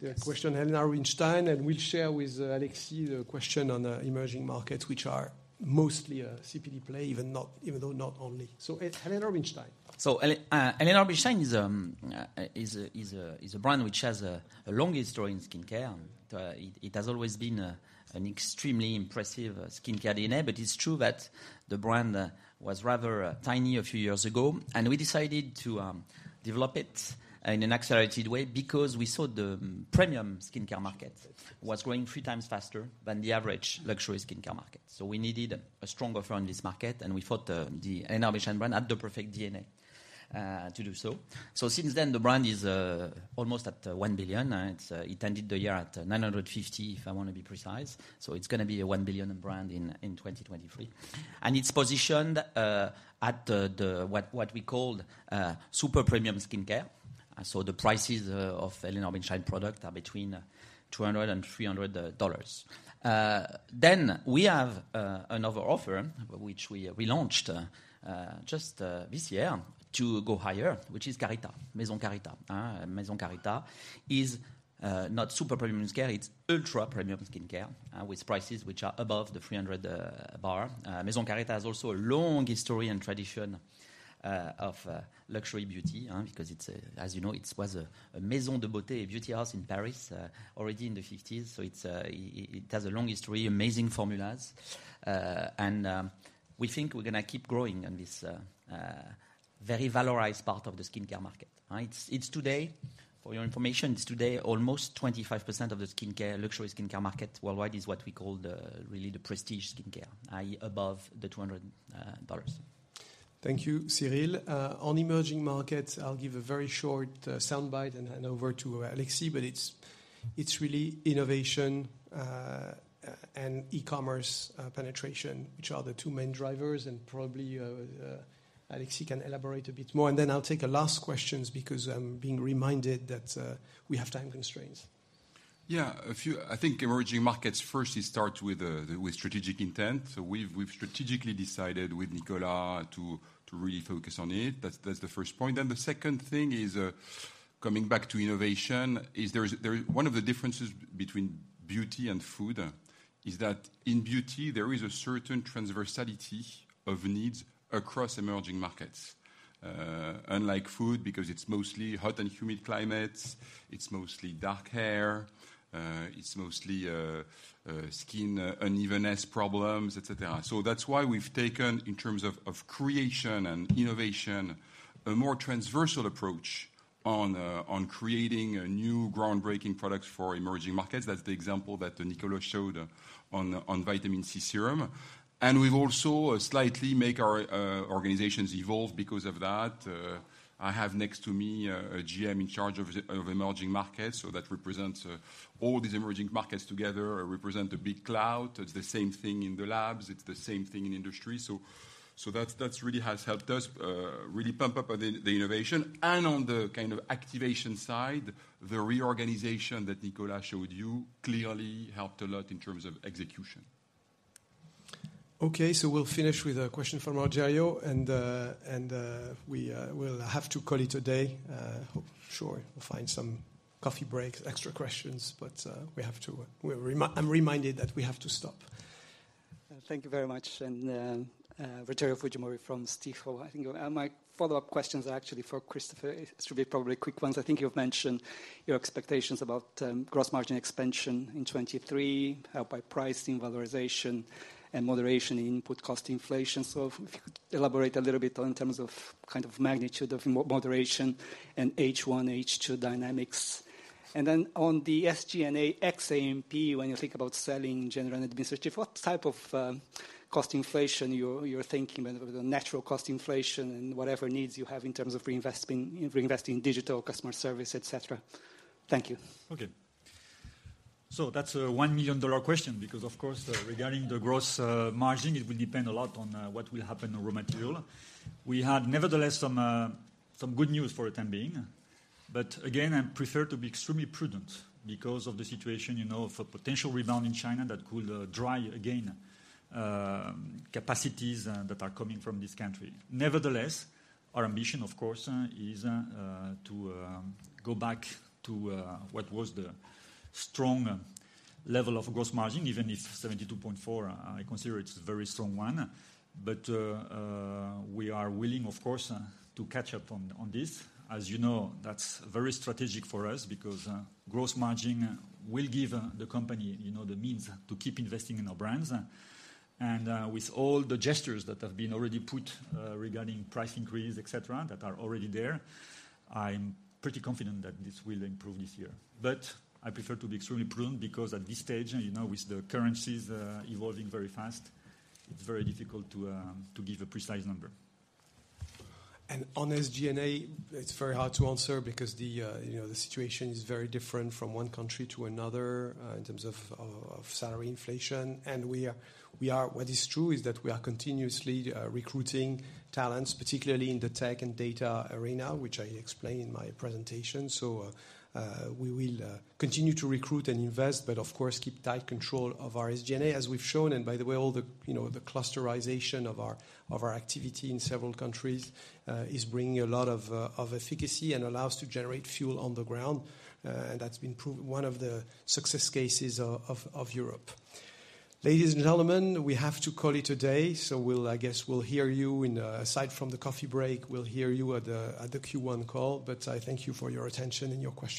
Yes... the question Helena Rubinstein. We'll share with Alexis the question on the emerging markets, which are mostly a CPD play, even though not only. Helena Rubinstein. Helena Rubinstein is a brand which has a long history in skincare. It has always been an extremely impressive skincare DNA. It's true that the brand was rather tiny a few years ago, and we decided to develop it in an accelerated way because we saw the premium skincare market was growing three times faster than the average luxury skincare market. We needed a stronger front in this market, and we thought the Helena Rubinstein brand had the perfect DNA to do so. Since then, the brand is almost at 1 billion. It ended the year at 950 million, if I want to be precise. It's gonna be a 1 billion brand in 2023. It's positioned at what we call super premium skincare. The prices of Helena Rubinstein product are between $200 and $300. We have another offer which we relaunched just this year to go higher, which is Carita. Maison Carita. Maison Carita is not super premium skincare, it's ultra-premium skincare with prices which are above the $300 bar. Maison Carita has also a long history and tradition of luxury beauty because it's, as you know, it was a Maison de Beauty, a beauty house in Paris already in the 1950s. It has a long history, amazing formulas. We think we're gonna keep growing on this very valorized part of the skincare market, right? It's today, for your information, it's today almost 25% of the skincare, luxury skincare market worldwide is what we call the really prestige skincare, i.e., above the $200. Thank you, Cyril. On emerging markets, I'll give a very short, soundbite and hand over to Alexis, but it's really innovation, and e-commerce, penetration, which are the two main drivers. Probably, Alexis can elaborate a bit more, and then I'll take the last questions because I'm being reminded that, we have time constraints. Yeah, a few. I think emerging markets first, it starts with strategic intent. We've strategically decided with Nicolas to really focus on it. That's the first point. The second thing is coming back to innovation. One of the differences between beauty and food is that in beauty, there is a certain transversality of needs across emerging markets. Unlike food, because it's mostly hot and humid climates, it's mostly dark hair, it's mostly skin unevenness problems, et cetera. That's why we've taken, in terms of creation and innovation, a more transversal approach on creating new groundbreaking products for emerging markets. That's the example that Nicolas showed on Vitamin C Serum. We've also slightly make our organizations evolve because of that. I have next to me a GM in charge of emerging markets. That represents all these emerging markets together, represent a big cloud. It's the same thing in the labs, it's the same thing in industry. That's really has helped us really pump up on the innovation. On the kind of activation side, the reorganization that Nicolas showed you clearly helped a lot in terms of execution. Okay, we'll finish with a question from Rogerio and we will have to call it a day. Sure we'll find some coffee break extra questions, but we have to, I'm reminded that we have to stop. Thank you very much. Rogerio Fujimori from Stifel. I think my follow-up questions are actually for Christophe. It should be probably quick ones. I think you've mentioned your expectations about gross margin expansion in 2023, helped by pricing, valorization, and moderation in input cost inflation. If you could elaborate a little bit in terms of kind of magnitude of moderation and H1, H2 dynamics. Then on the SG&A ex A&P, when you think about selling, general and administrative, what type of cost inflation you're thinking, the natural cost inflation and whatever needs you have in terms of reinvesting in digital customer service, et cetera? Thank you. Okay. That's a $1 million question because, of course, regarding the gross margin, it will depend a lot on what will happen on raw material. We had nevertheless some good news for the time being, but again, I prefer to be extremely prudent because of the situation, you know, of a potential rebound in China that could dry again capacities that are coming from this country. Our mission, of course, is to go back to what was the strong level of gross margin, even if 72.4%, I consider it a very strong one. We are willing, of course, to catch up on this. As you know, that's very strategic for us because gross margin will give the company, you know, the means to keep investing in our brands. With all the gestures that have been already put regarding price increase, et cetera, that are already there, I'm pretty confident that this will improve this year. I prefer to be extremely prudent because at this stage, you know, with the currencies evolving very fast, it's very difficult to give a precise number. On SG&A, it's very hard to answer because the, you know, the situation is very different from one country to another, in terms of salary inflation. What is true is that we are continuously recruiting talents, particularly in the tech and data arena, which I explained in my presentation. We will continue to recruit and invest, but of course, keep tight control of our SG&A, as we've shown. By the way, all the, you know, the clusterization of our activity in several countries is bringing a lot of efficacy and allow us to generate fuel on the ground, and that's been proven one of the success cases of Europe. Ladies and gentlemen, we have to call it a day, I guess we'll hear you in. Aside from the coffee break, we'll hear you at the Q1 call. I thank you for your attention and your questions.